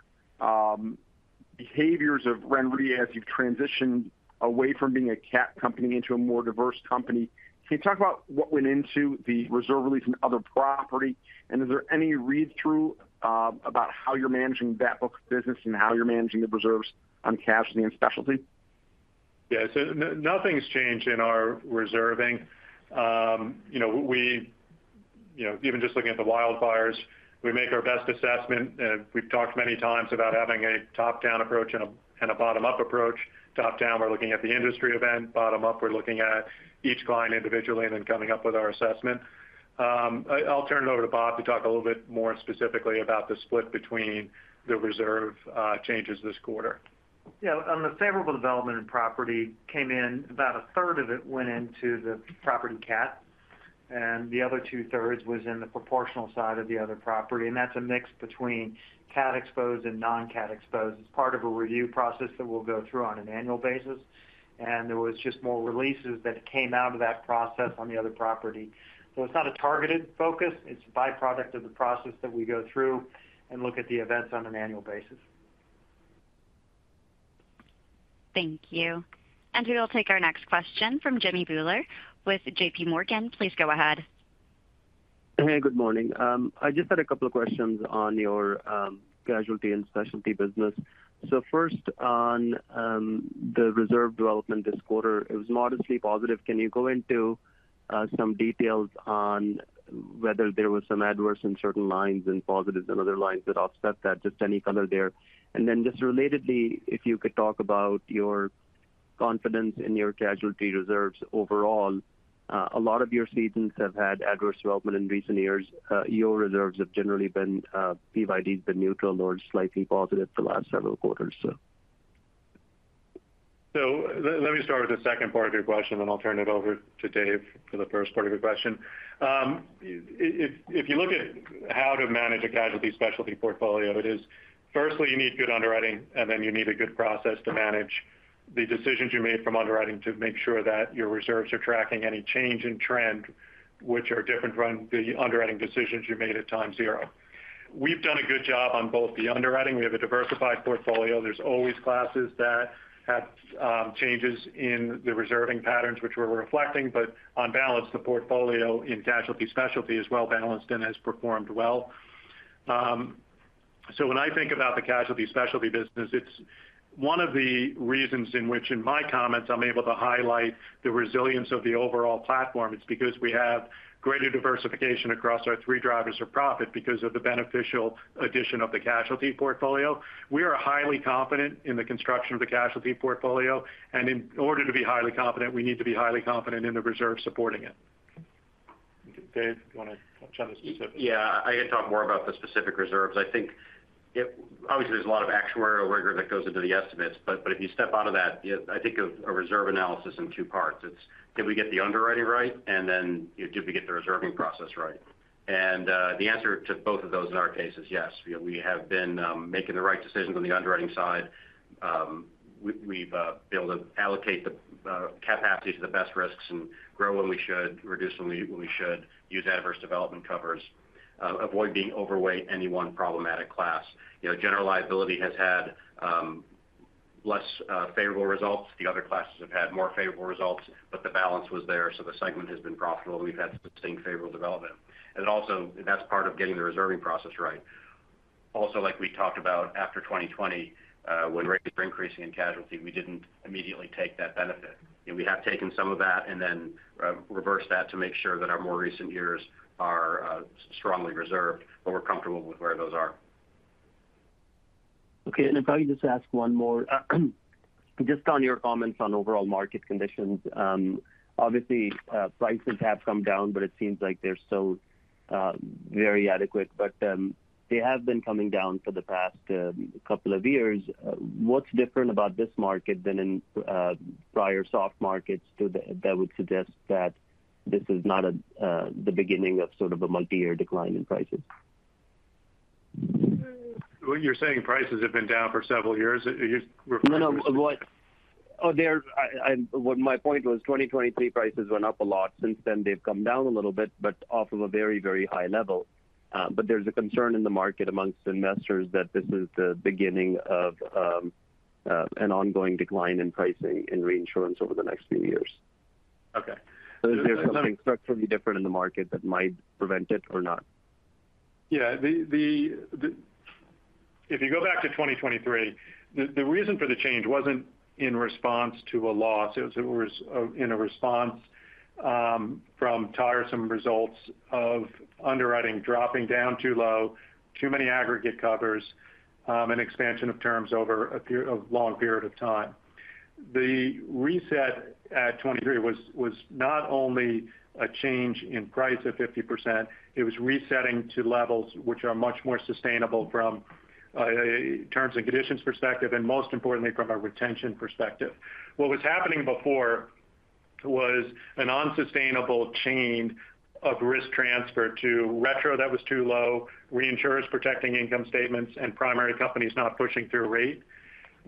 behaviors of RenRe as you've transitioned away from being a CAT company into a more diverse company, can you talk about what went into the reserve release and other property? Is there any read-through about how you're managing that book of business and how you're managing the reserves on casualty and specialty? Yeah, nothing's changed in our reserving. Even just looking at the wildfires, we make our best assessment. We've talked many times about having a top-down approach and a bottom-up approach. Top-down, we're looking at the industry event. Bottom-up, we're looking at each client individually and then coming up with our assessment. I'll turn it over to Bob to talk a little bit more specifically about the split between the reserve changes this quarter. Yeah, on the favorable development property came in, about a third of it went into the property CAT. The other two-thirds was in the proportional side of the other property. That's a mix between CAT exposed and non-CAT exposed. It's part of a review process that we go through on an annual basis. There was just more releases that came out of that process on the other property. It's not a targeted focus. It's a byproduct of the process that we go through and look at the events on an annual basis. Thank you. We will take our next question from Jimmy Bhullar with JPMorgan. Please go ahead. Hey, good morning. I just had a couple of questions on your casualty and specialty business. First, on the reserve development this quarter, it was modestly positive. Can you go into some details on whether there were some adverse in certain lines and positives in other lines that offset that? Just any color there. Just relatedly, if you could talk about your confidence in your casualty reserves overall. A lot of your seasons have had adverse development in recent years. Your reserves have generally been, PYD has been neutral or slightly positive the last several quarters. Let me start with the second part of your question, then I'll turn it over to Dave for the first part of your question. If you look at how to manage a casualty specialty portfolio, it is, firstly, you need good underwriting, and then you need a good process to manage the decisions you made from underwriting to make sure that your reserves are tracking any change in trend, which are different from the underwriting decisions you made at time zero. We've done a good job on both the underwriting. We have a diversified portfolio. There are always classes that have changes in the reserving patterns, which we're reflecting. On balance, the portfolio in casualty specialty is well-balanced and has performed well. When I think about the casualty specialty business, it's one of the reasons in which, in my comments, I'm able to highlight the resilience of the overall platform. It's because we have greater diversification across our three drivers of profit because of the beneficial addition of the casualty portfolio. We are highly confident in the construction of the casualty portfolio. In order to be highly confident, we need to be highly confident in the reserves supporting it. Dave, do you want to touch on the specifics? Yeah, I can talk more about the specific reserves. I think, obviously, there is a lot of actuarial rigor that goes into the estimates. If you step out of that, I think of a reserve analysis in two parts. It is, did we get the underwriting right? Did we get the reserving process right? The answer to both of those in our case is yes. We have been making the right decisions on the underwriting side. We have been able to allocate the capacity to the best risks and grow when we should, reduce when we should, use adverse development covers, avoid being overweight any one problematic class. General liability has had less favorable results. The other classes have had more favorable results, but the balance was there. The segment has been profitable, and we've had sustained favorable development. That is part of getting the reserving process right. Also, like we talked about, after 2020, when rates were increasing in casualty, we did not immediately take that benefit. We have taken some of that and then reversed that to make sure that our more recent years are strongly reserved, but we're comfortable with where those are. Okay, and if I could just ask one more, just on your comments on overall market conditions, obviously, prices have come down, but it seems like they're still very adequate. They have been coming down for the past couple of years. What's different about this market than in prior soft markets that would suggest that this is not the beginning of sort of a multi-year decline in prices? When you're saying prices have been down for several years, you're referring to? No, no. What my point was, 2023 prices went up a lot. Since then, they've come down a little bit, but off of a very, very high level. There's a concern in the market amongst investors that this is the beginning of an ongoing decline in pricing and reinsurance over the next few years. Is there something structurally different in the market that might prevent it or not? Yeah, if you go back to 2023, the reason for the change wasn't in response to a loss. It was in a response from tiresome results of underwriting dropping down too low, too many aggregate covers, and expansion of terms over a long period of time. The reset at 2023 was not only a change in price of 50%, it was resetting to levels which are much more sustainable from a terms and conditions perspective and, most importantly, from a retention perspective. What was happening before was an unsustainable chain of risk transfer to retro that was too low, reinsurers protecting income statements, and primary companies not pushing through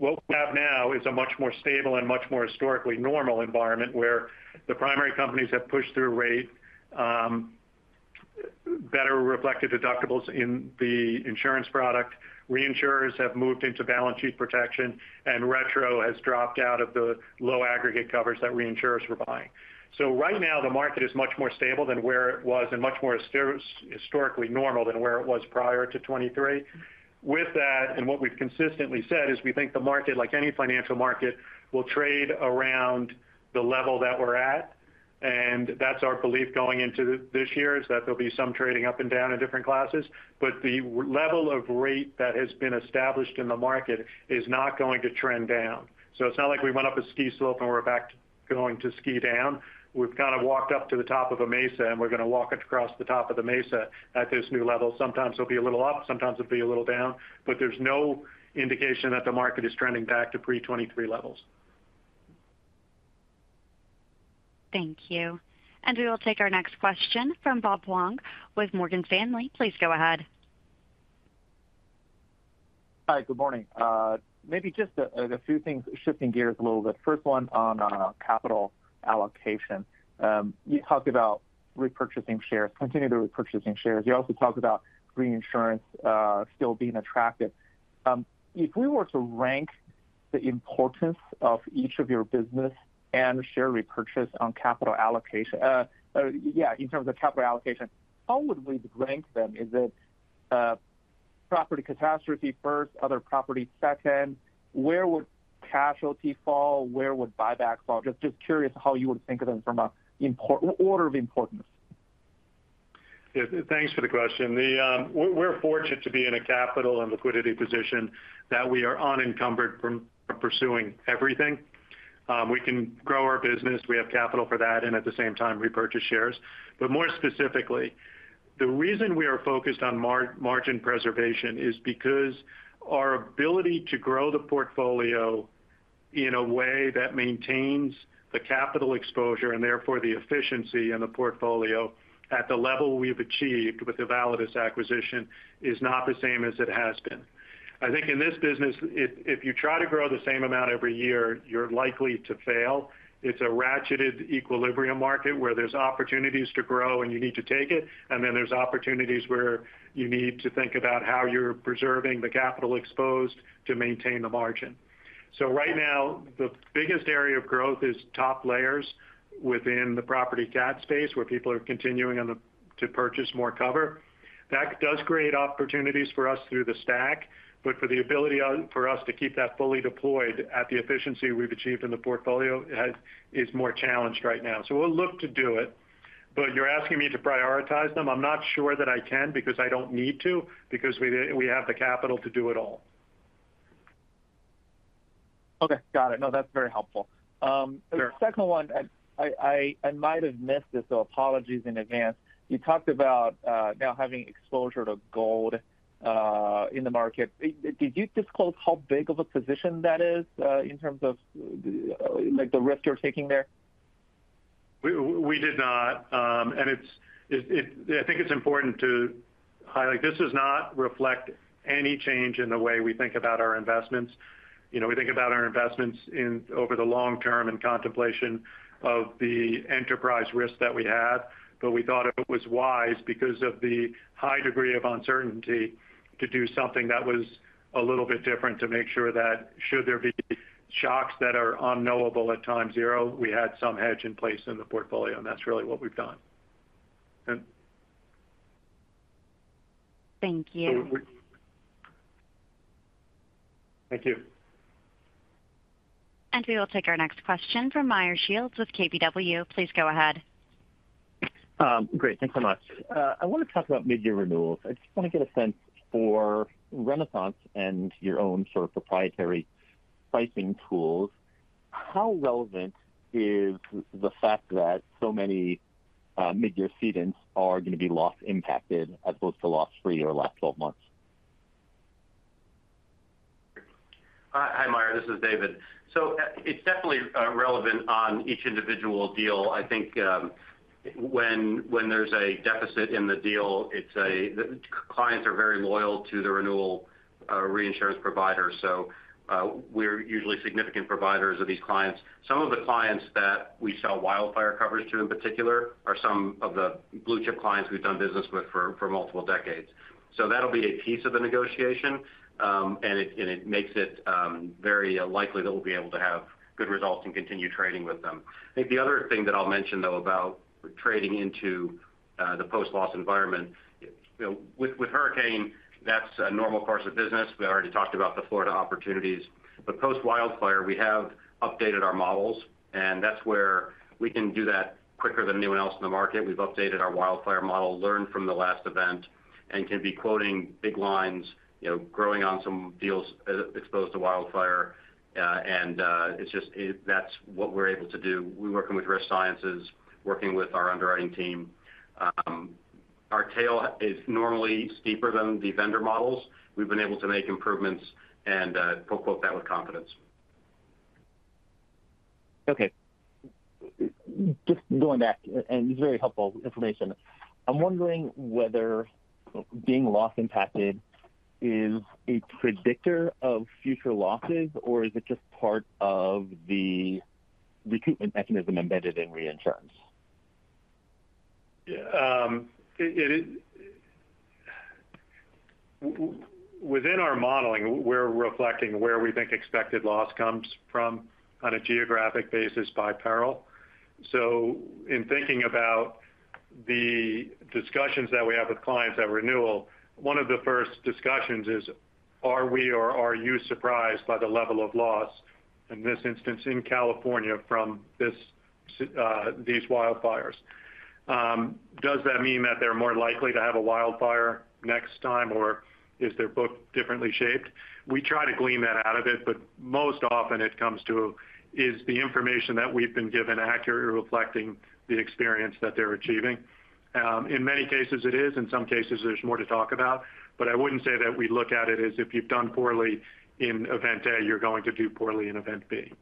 rate. What we have now is a much more stable and much more historically normal environment where the primary companies have pushed through rate, better reflected deductibles in the insurance product, reinsurers have moved into balance sheet protection, and retro has dropped out of the low aggregate covers that reinsurers were buying. Right now, the market is much more stable than where it was and much more historically normal than where it was prior to 2023. With that, and what we've consistently said is we think the market, like any financial market, will trade around the level that we're at. That's our belief going into this year is that there'll be some trading up and down in different classes. The level of rate that has been established in the market is not going to trend down. It's not like we went up a ski slope and we're back going to ski down. We've kind of walked up to the top of a mesa, and we're going to walk across the top of the mesa at this new level. Sometimes it'll be a little up, sometimes it'll be a little down, but there's no indication that the market is trending back to pre-2023 levels. Thank you. We will take our next question from Bob Huang with Morgan Stanley. Please go ahead. Hi, good morning. Maybe just a few things, shifting gears a little bit. First one on capital allocation. You talked about repurchasing shares, continuing to repurchase shares. You also talked about reinsurance still being attractive. If we were to rank the importance of each of your business and share repurchase on capital allocation, yeah, in terms of capital allocation, how would we rank them? Is it property catastrophe first, other property second? Where would casualty fall? Where would buyback fall? Just curious how you would think of them from an order of importance. Thanks for the question. We're fortunate to be in a capital and liquidity position that we are unencumbered from pursuing everything. We can grow our business. We have capital for that, and at the same time, repurchase shares. More specifically, the reason we are focused on margin preservation is because our ability to grow the portfolio in a way that maintains the capital exposure and therefore the efficiency in the portfolio at the level we've achieved with the Validus acquisition is not the same as it has been. I think in this business, if you try to grow the same amount every year, you're likely to fail. It's a ratcheted equilibrium market where there's opportunities to grow and you need to take it. There are opportunities where you need to think about how you're preserving the capital exposed to maintain the margin. Right now, the biggest area of growth is top layers within the property CAT space where people are continuing to purchase more cover. That does create opportunities for us through the stack, but for the ability for us to keep that fully deployed at the efficiency we've achieved in the portfolio is more challenged right now. We'll look to do it. You're asking me to prioritize them. I'm not sure that I can because I don't need to, because we have the capital to do it all. Okay, got it. No, that's very helpful. The second one, I might have missed this, so apologies in advance. You talked about now having exposure to gold in the market. Did you disclose how big of a position that is in terms of the risk you're taking there? We did not. I think it's important to highlight this does not reflect any change in the way we think about our investments. We think about our investments over the long term in contemplation of the enterprise risk that we have, but we thought it was wise because of the high degree of uncertainty to do something that was a little bit different to make sure that should there be shocks that are unknowable at time zero, we had some hedge in place in the portfolio, and that's really what we've done. Thank you. Thank you. We will take our next question from Meyer Shields with KBW. Please go ahead. Great. Thanks so much. I want to talk about mid-year renewals. I just want to get a sense for RenaissanceRe and your own sort of proprietary pricing tools. How relevant is the fact that so many mid-year seedings are going to be loss-impacted as opposed to loss-free or last 12 months? Hi, Meyer. This is David. It is definitely relevant on each individual deal. I think when there is a deficit in the deal, clients are very loyal to the renewal reinsurance providers. We are usually significant providers of these clients. Some of the clients that we sell wildfire covers to in particular are some of the blue-chip clients we have done business with for multiple decades. That will be a piece of the negotiation, and it makes it very likely that we will be able to have good results and continue trading with them. I think the other thing that I will mention, though, about trading into the post-loss environment, with Hurricane, that is a normal course of business. We already talked about the Florida opportunities. Post-wildfire, we have updated our models, and that's where we can do that quicker than anyone else in the market. We've updated our wildfire model, learned from the last event, and can be quoting big lines, growing on some deals exposed to wildfire. That's what we're able to do. We're working with Risk Sciences, working with our underwriting team. Our tail is normally steeper than the vendor models. We've been able to make improvements and quote that with confidence. Okay. Just going back, and it's very helpful information. I'm wondering whether being loss-impacted is a predictor of future losses, or is it just part of the recoupment mechanism embedded in reinsurance? Within our modeling, we're reflecting where we think expected loss comes from on a geographic basis by peril. In thinking about the discussions that we have with clients at renewal, one of the first discussions is, are we or are you surprised by the level of loss, in this instance, in California from these wildfires? Does that mean that they're more likely to have a wildfire next time, or is their book differently shaped? We try to glean that out of it, but most often it comes to, is the information that we've been given accurately reflecting the experience that they're achieving? In many cases, it is. In some cases, there's more to talk about. I wouldn't say that we look at it as if you've done poorly in event A, you're going to do poorly in event B.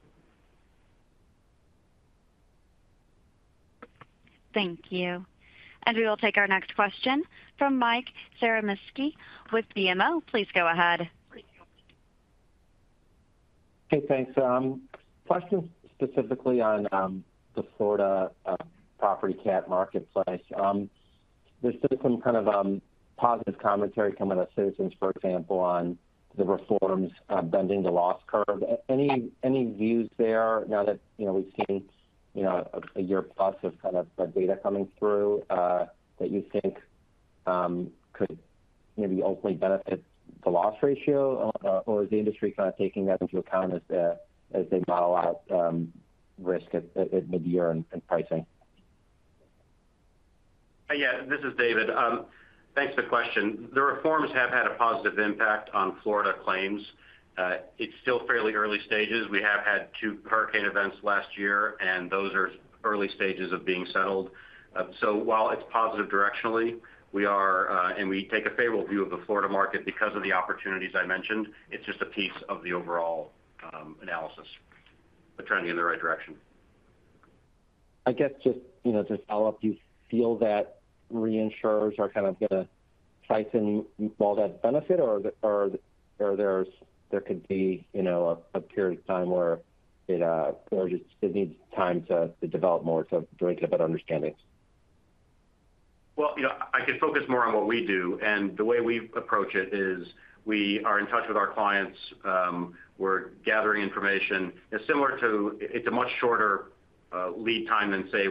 Thank you. We will take our next question from Mike Zaremski with BMO. Please go ahead. Hey, thanks. Question specifically on the Florida property CAT marketplace. There's been some kind of positive commentary coming out of Citizens, for example, on the reforms bending the loss curve. Any views there now that we've seen a year plus of kind of data coming through that you think could maybe ultimately benefit the loss ratio, or is the industry kind of taking that into account as they model out risk at mid-year and pricing? Yeah, this is David. Thanks for the question. The reforms have had a positive impact on Florida claims. It's still fairly early stages. We have had two hurricane events last year, and those are early stages of being settled. While it's positive directionally, and we take a favorable view of the Florida market because of the opportunities I mentioned, it's just a piece of the overall analysis, the trending in the right direction. I guess just to follow up, do you feel that reinsurers are kind of going to price in all that benefit, or there could be a period of time where it needs time to develop more to bring to better understanding? I could focus more on what we do. The way we approach it is we are in touch with our clients. We're gathering information. It's similar to it's a much shorter lead time than, say,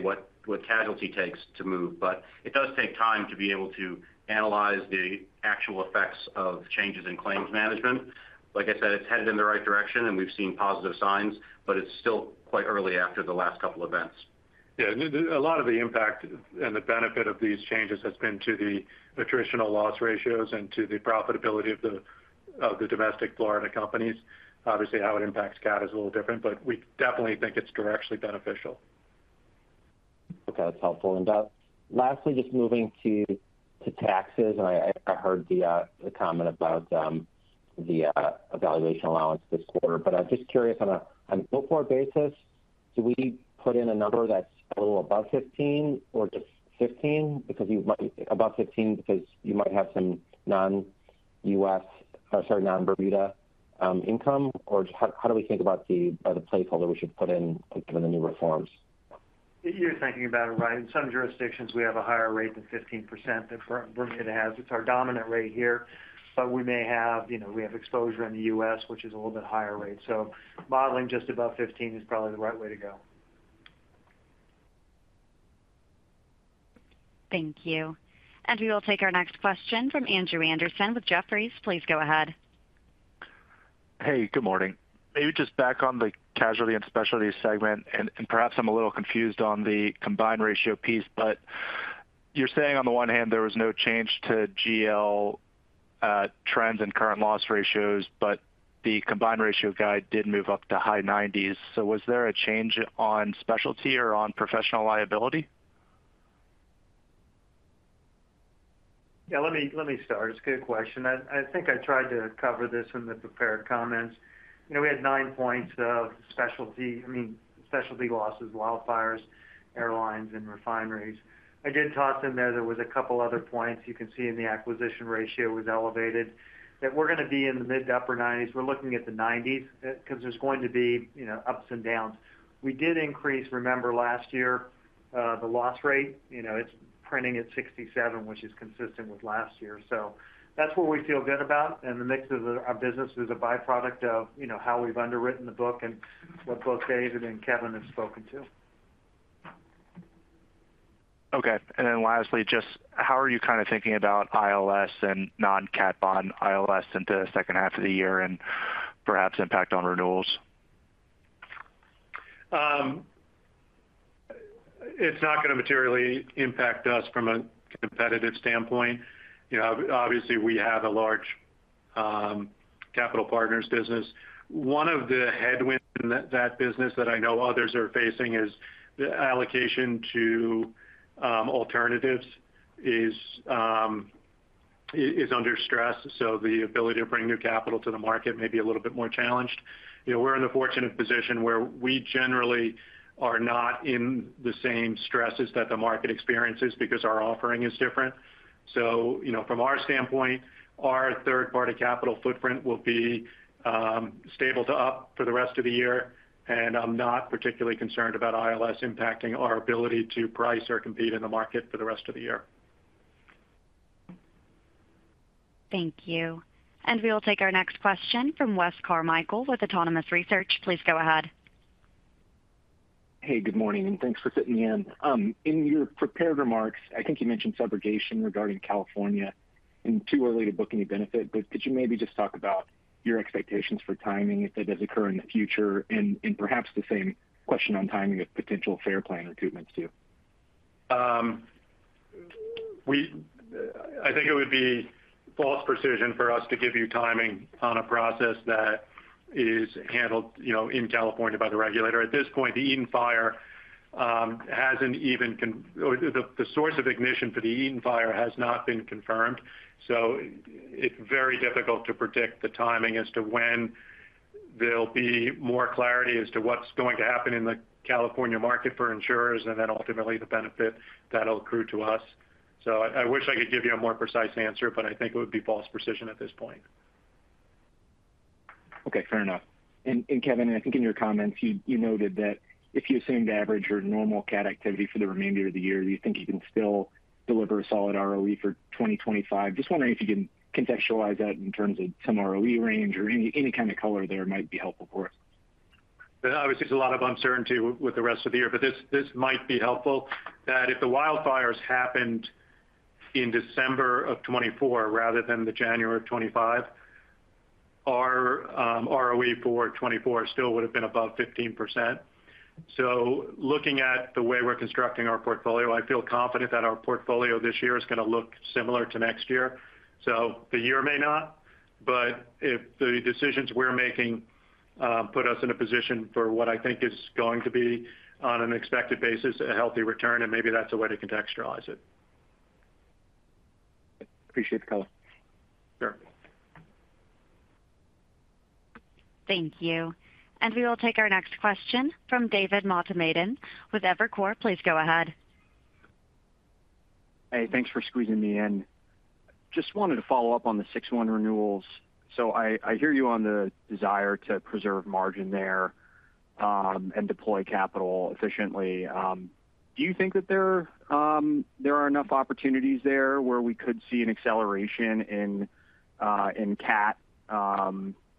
what casualty takes to move. It does take time to be able to analyze the actual effects of changes in claims management. Like I said, it's headed in the right direction, and we've seen positive signs, but it's still quite early after the last couple of events. Yeah. A lot of the impact and the benefit of these changes has been to the attritional loss ratios and to the profitability of the domestic Florida companies. Obviously, how it impacts CAT is a little different, but we definitely think it's directly beneficial. Okay, that's helpful. Lastly, just moving to taxes, I heard the comment about the evaluation allowance this quarter, but I'm just curious on a noteboard basis, do we put in a number that's a little above 15 or just 15? Above 15 because you might have some non-US or sorry, non-Bermuda income, or how do we think about the placeholder we should put in given the new reforms? You're thinking about it, right? In some jurisdictions, we have a higher rate than 15% than Bermuda has. It's our dominant rate here, but we may have exposure in the US, which is a little bit higher rate. Modeling just above 15% is probably the right way to go. Thank you. We will take our next question from Andrew Andersen with Jefferies. Please go ahead. Hey, good morning. Maybe just back on the casualty and specialty segment, and perhaps I'm a little confused on the combined ratio piece, but you're saying on the one hand, there was no change to GL trends and current loss ratios, but the combined ratio guide did move up to high 90s. Was there a change on specialty or on professional liability? Yeah, let me start. It's a good question. I think I tried to cover this in the prepared comments. We had nine points of specialty, I mean, specialty losses, wildfires, airlines, and refineries. I did toss in there there was a couple other points. You can see in the acquisition ratio was elevated that we're going to be in the mid to upper 90s. We're looking at the 90s because there's going to be ups and downs. We did increase, remember last year, the loss rate. It's printing at 67%, which is consistent with last year. That's where we feel good about. The mix of our business is a byproduct of how we've underwritten the book and what both David and Kevin have spoken to. Okay. Lastly, just how are you kind of thinking about ILS and non-CAT bond ILS into the second half of the year and perhaps impact on renewals? It's not going to materially impact us from a competitive standpoint. Obviously, we have a large capital partners business. One of the headwinds in that business that I know others are facing is the allocation to alternatives is under stress. The ability to bring new capital to the market may be a little bit more challenged. We're in the fortunate position where we generally are not in the same stresses that the market experiences because our offering is different. From our standpoint, our third-party capital footprint will be stable to up for the rest of the year. I'm not particularly concerned about ILS impacting our ability to price or compete in the market for the rest of the year. Thank you. We will take our next question from Wes Carmichael with Autonomous Research. Please go ahead. Hey, good morning, and thanks for sitting in. In your prepared remarks, I think you mentioned subrogation regarding California and too early to book any benefit, but could you maybe just talk about your expectations for timing if it does occur in the future and perhaps the same question on timing of potential FAIR Plan recoupments too? I think it would be false precision for us to give you timing on a process that is handled in California by the regulator. At this point, the Eaton Fire hasn't even—the source of ignition for the Eaton Fire has not been confirmed. It is very difficult to predict the timing as to when there will be more clarity as to what is going to happen in the California market for insurers and then ultimately the benefit that will accrue to us. I wish I could give you a more precise answer, but I think it would be false precision at this point. Okay, fair enough. Kevin, I think in your comments, you noted that if you assumed average or normal CAT activity for the remainder of the year, you think you can still deliver a solid ROE for 2025. Just wondering if you can contextualize that in terms of some ROE range or any kind of color there might be helpful for us. Obviously, there's a lot of uncertainty with the rest of the year, but this might be helpful that if the wildfires happened in December of 2024 rather than the January of 2025, our ROE for 2024 still would have been above 15%.Looking at the way we're constructing our portfolio, I feel confident that our portfolio this year is going to look similar to next year. The year may not, but if the decisions we're making put us in a position for what I think is going to be, on an expected basis, a healthy return, and maybe that's a way to contextualize it. Appreciate the color. Sure. Thank you. We will take our next question from David Motemaden with Evercore. Please go ahead. Hey, thanks for squeezing me in. Just wanted to follow up on the 6-1 renewals. I hear you on the desire to preserve margin there and deploy capital efficiently. Do you think that there are enough opportunities there where we could see an acceleration in CAT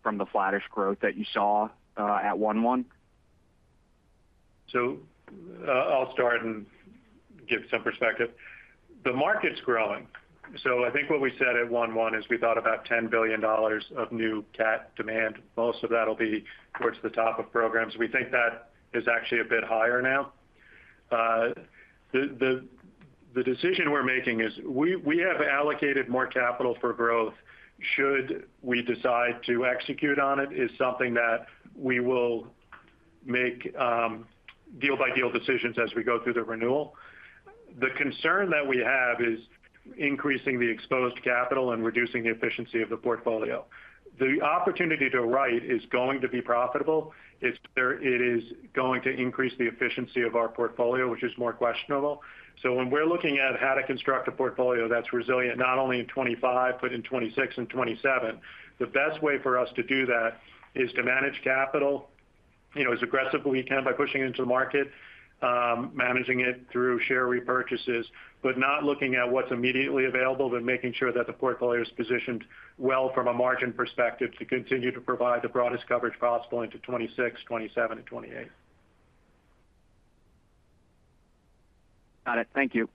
from the flattish growth that you saw at 1-1? I'll start and give some perspective. The market's growing. I think what we said at 1-1 is we thought about $10 billion of new CAT demand. Most of that will be towards the top of programs. We think that is actually a bit higher now. The decision we're making is we have allocated more capital for growth. Should we decide to execute on it, it is something that we will make deal-by-deal decisions as we go through the renewal. The concern that we have is increasing the exposed capital and reducing the efficiency of the portfolio. The opportunity to write is going to be profitable. It is going to increase the efficiency of our portfolio, which is more questionable. When we're looking at how to construct a portfolio that's resilient not only in 2025, but in 2026 and 2027, the best way for us to do that is to manage capital as aggressively as we can by pushing it into the market, managing it through share repurchases, but not looking at what's immediately available, making sure that the portfolio is positioned well from a margin perspective to continue to provide the broadest coverage possible into 2026, 2027, and 2028. Got it. Thank you.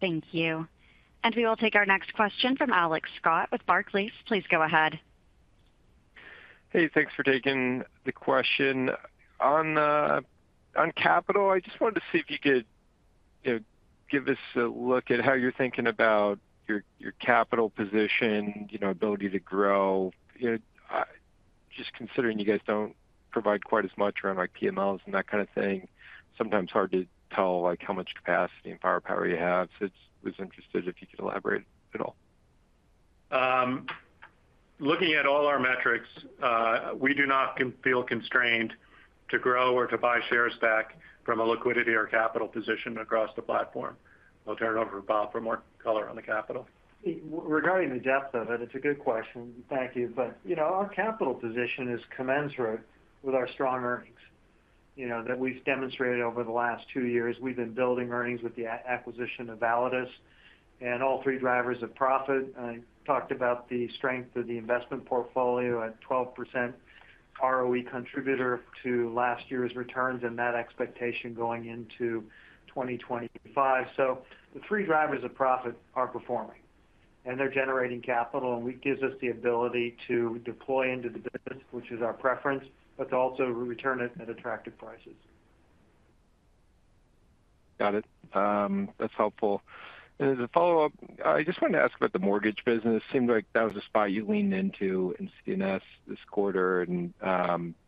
Thank you. We will take our next question from Alex Scott with Barclays. Please go ahead. Hey, thanks for taking the question. On capital, I just wanted to see if you could give us a look at how you're thinking about your capital position, ability to grow. Just considering you guys don't provide quite as much around PMLs and that kind of thing, sometimes hard to tell how much capacity and firepower you have. I was interested if you could elaborate at all. Looking at all our metrics, we do not feel constrained to grow or to buy shares back from a liquidity or capital position across the platform. I'll turn it over to Bob for more color on the capital. Regarding the depth of it, it's a good question. Thank you. Our capital position is commensurate with our strong earnings that we've demonstrated over the last two years. We've been building earnings with the acquisition of Validus and all three drivers of profit. I talked about the strength of the investment portfolio at 12% ROE contributor to last year's returns and that expectation going into 2025. The three drivers of profit are performing, and they're generating capital, and it gives us the ability to deploy into the business, which is our preference, but also return at attractive prices. Got it. That's helpful. As a follow-up, I just wanted to ask about the mortgage business. It seemed like that was a spot you leaned into in C&S this quarter and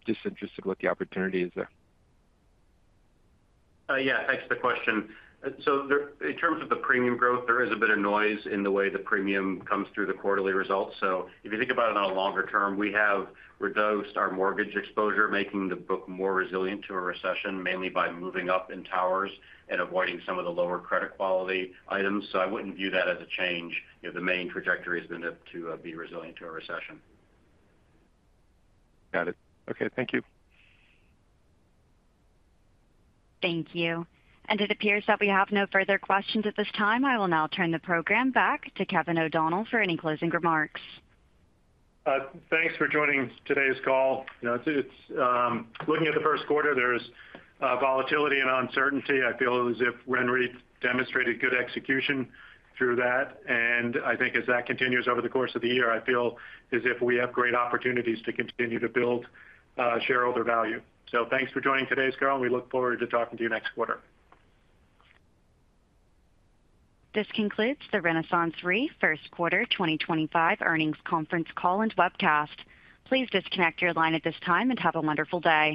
just interested what the opportunity is there. Yeah, thanks for the question. In terms of the premium growth, there is a bit of noise in the way the premium comes through the quarterly results. If you think about it on a longer term, we have reduced our mortgage exposure, making the book more resilient to a recession, mainly by moving up in towers and avoiding some of the lower credit quality items. I wouldn't view that as a change. The main trajectory has been to be resilient to a recession. Got it. Okay, thank you. Thank you. It appears that we have no further questions at this time. I will now turn the program back to Kevin O'Donnell for any closing remarks. Thanks for joining today's call. Looking at the first quarter, there is volatility and uncertainty. I feel as if RenaissanceRe demonstrated good execution through that. I think as that continues over the course of the year, I feel as if we have great opportunities to continue to build shareholder value. Thanks for joining today's call, and we look forward to talking to you next quarter. This concludes the RenaissanceRe First Quarter 2025 Earnings Conference Call and Webcast. Please disconnect your line at this time and have a wonderful day.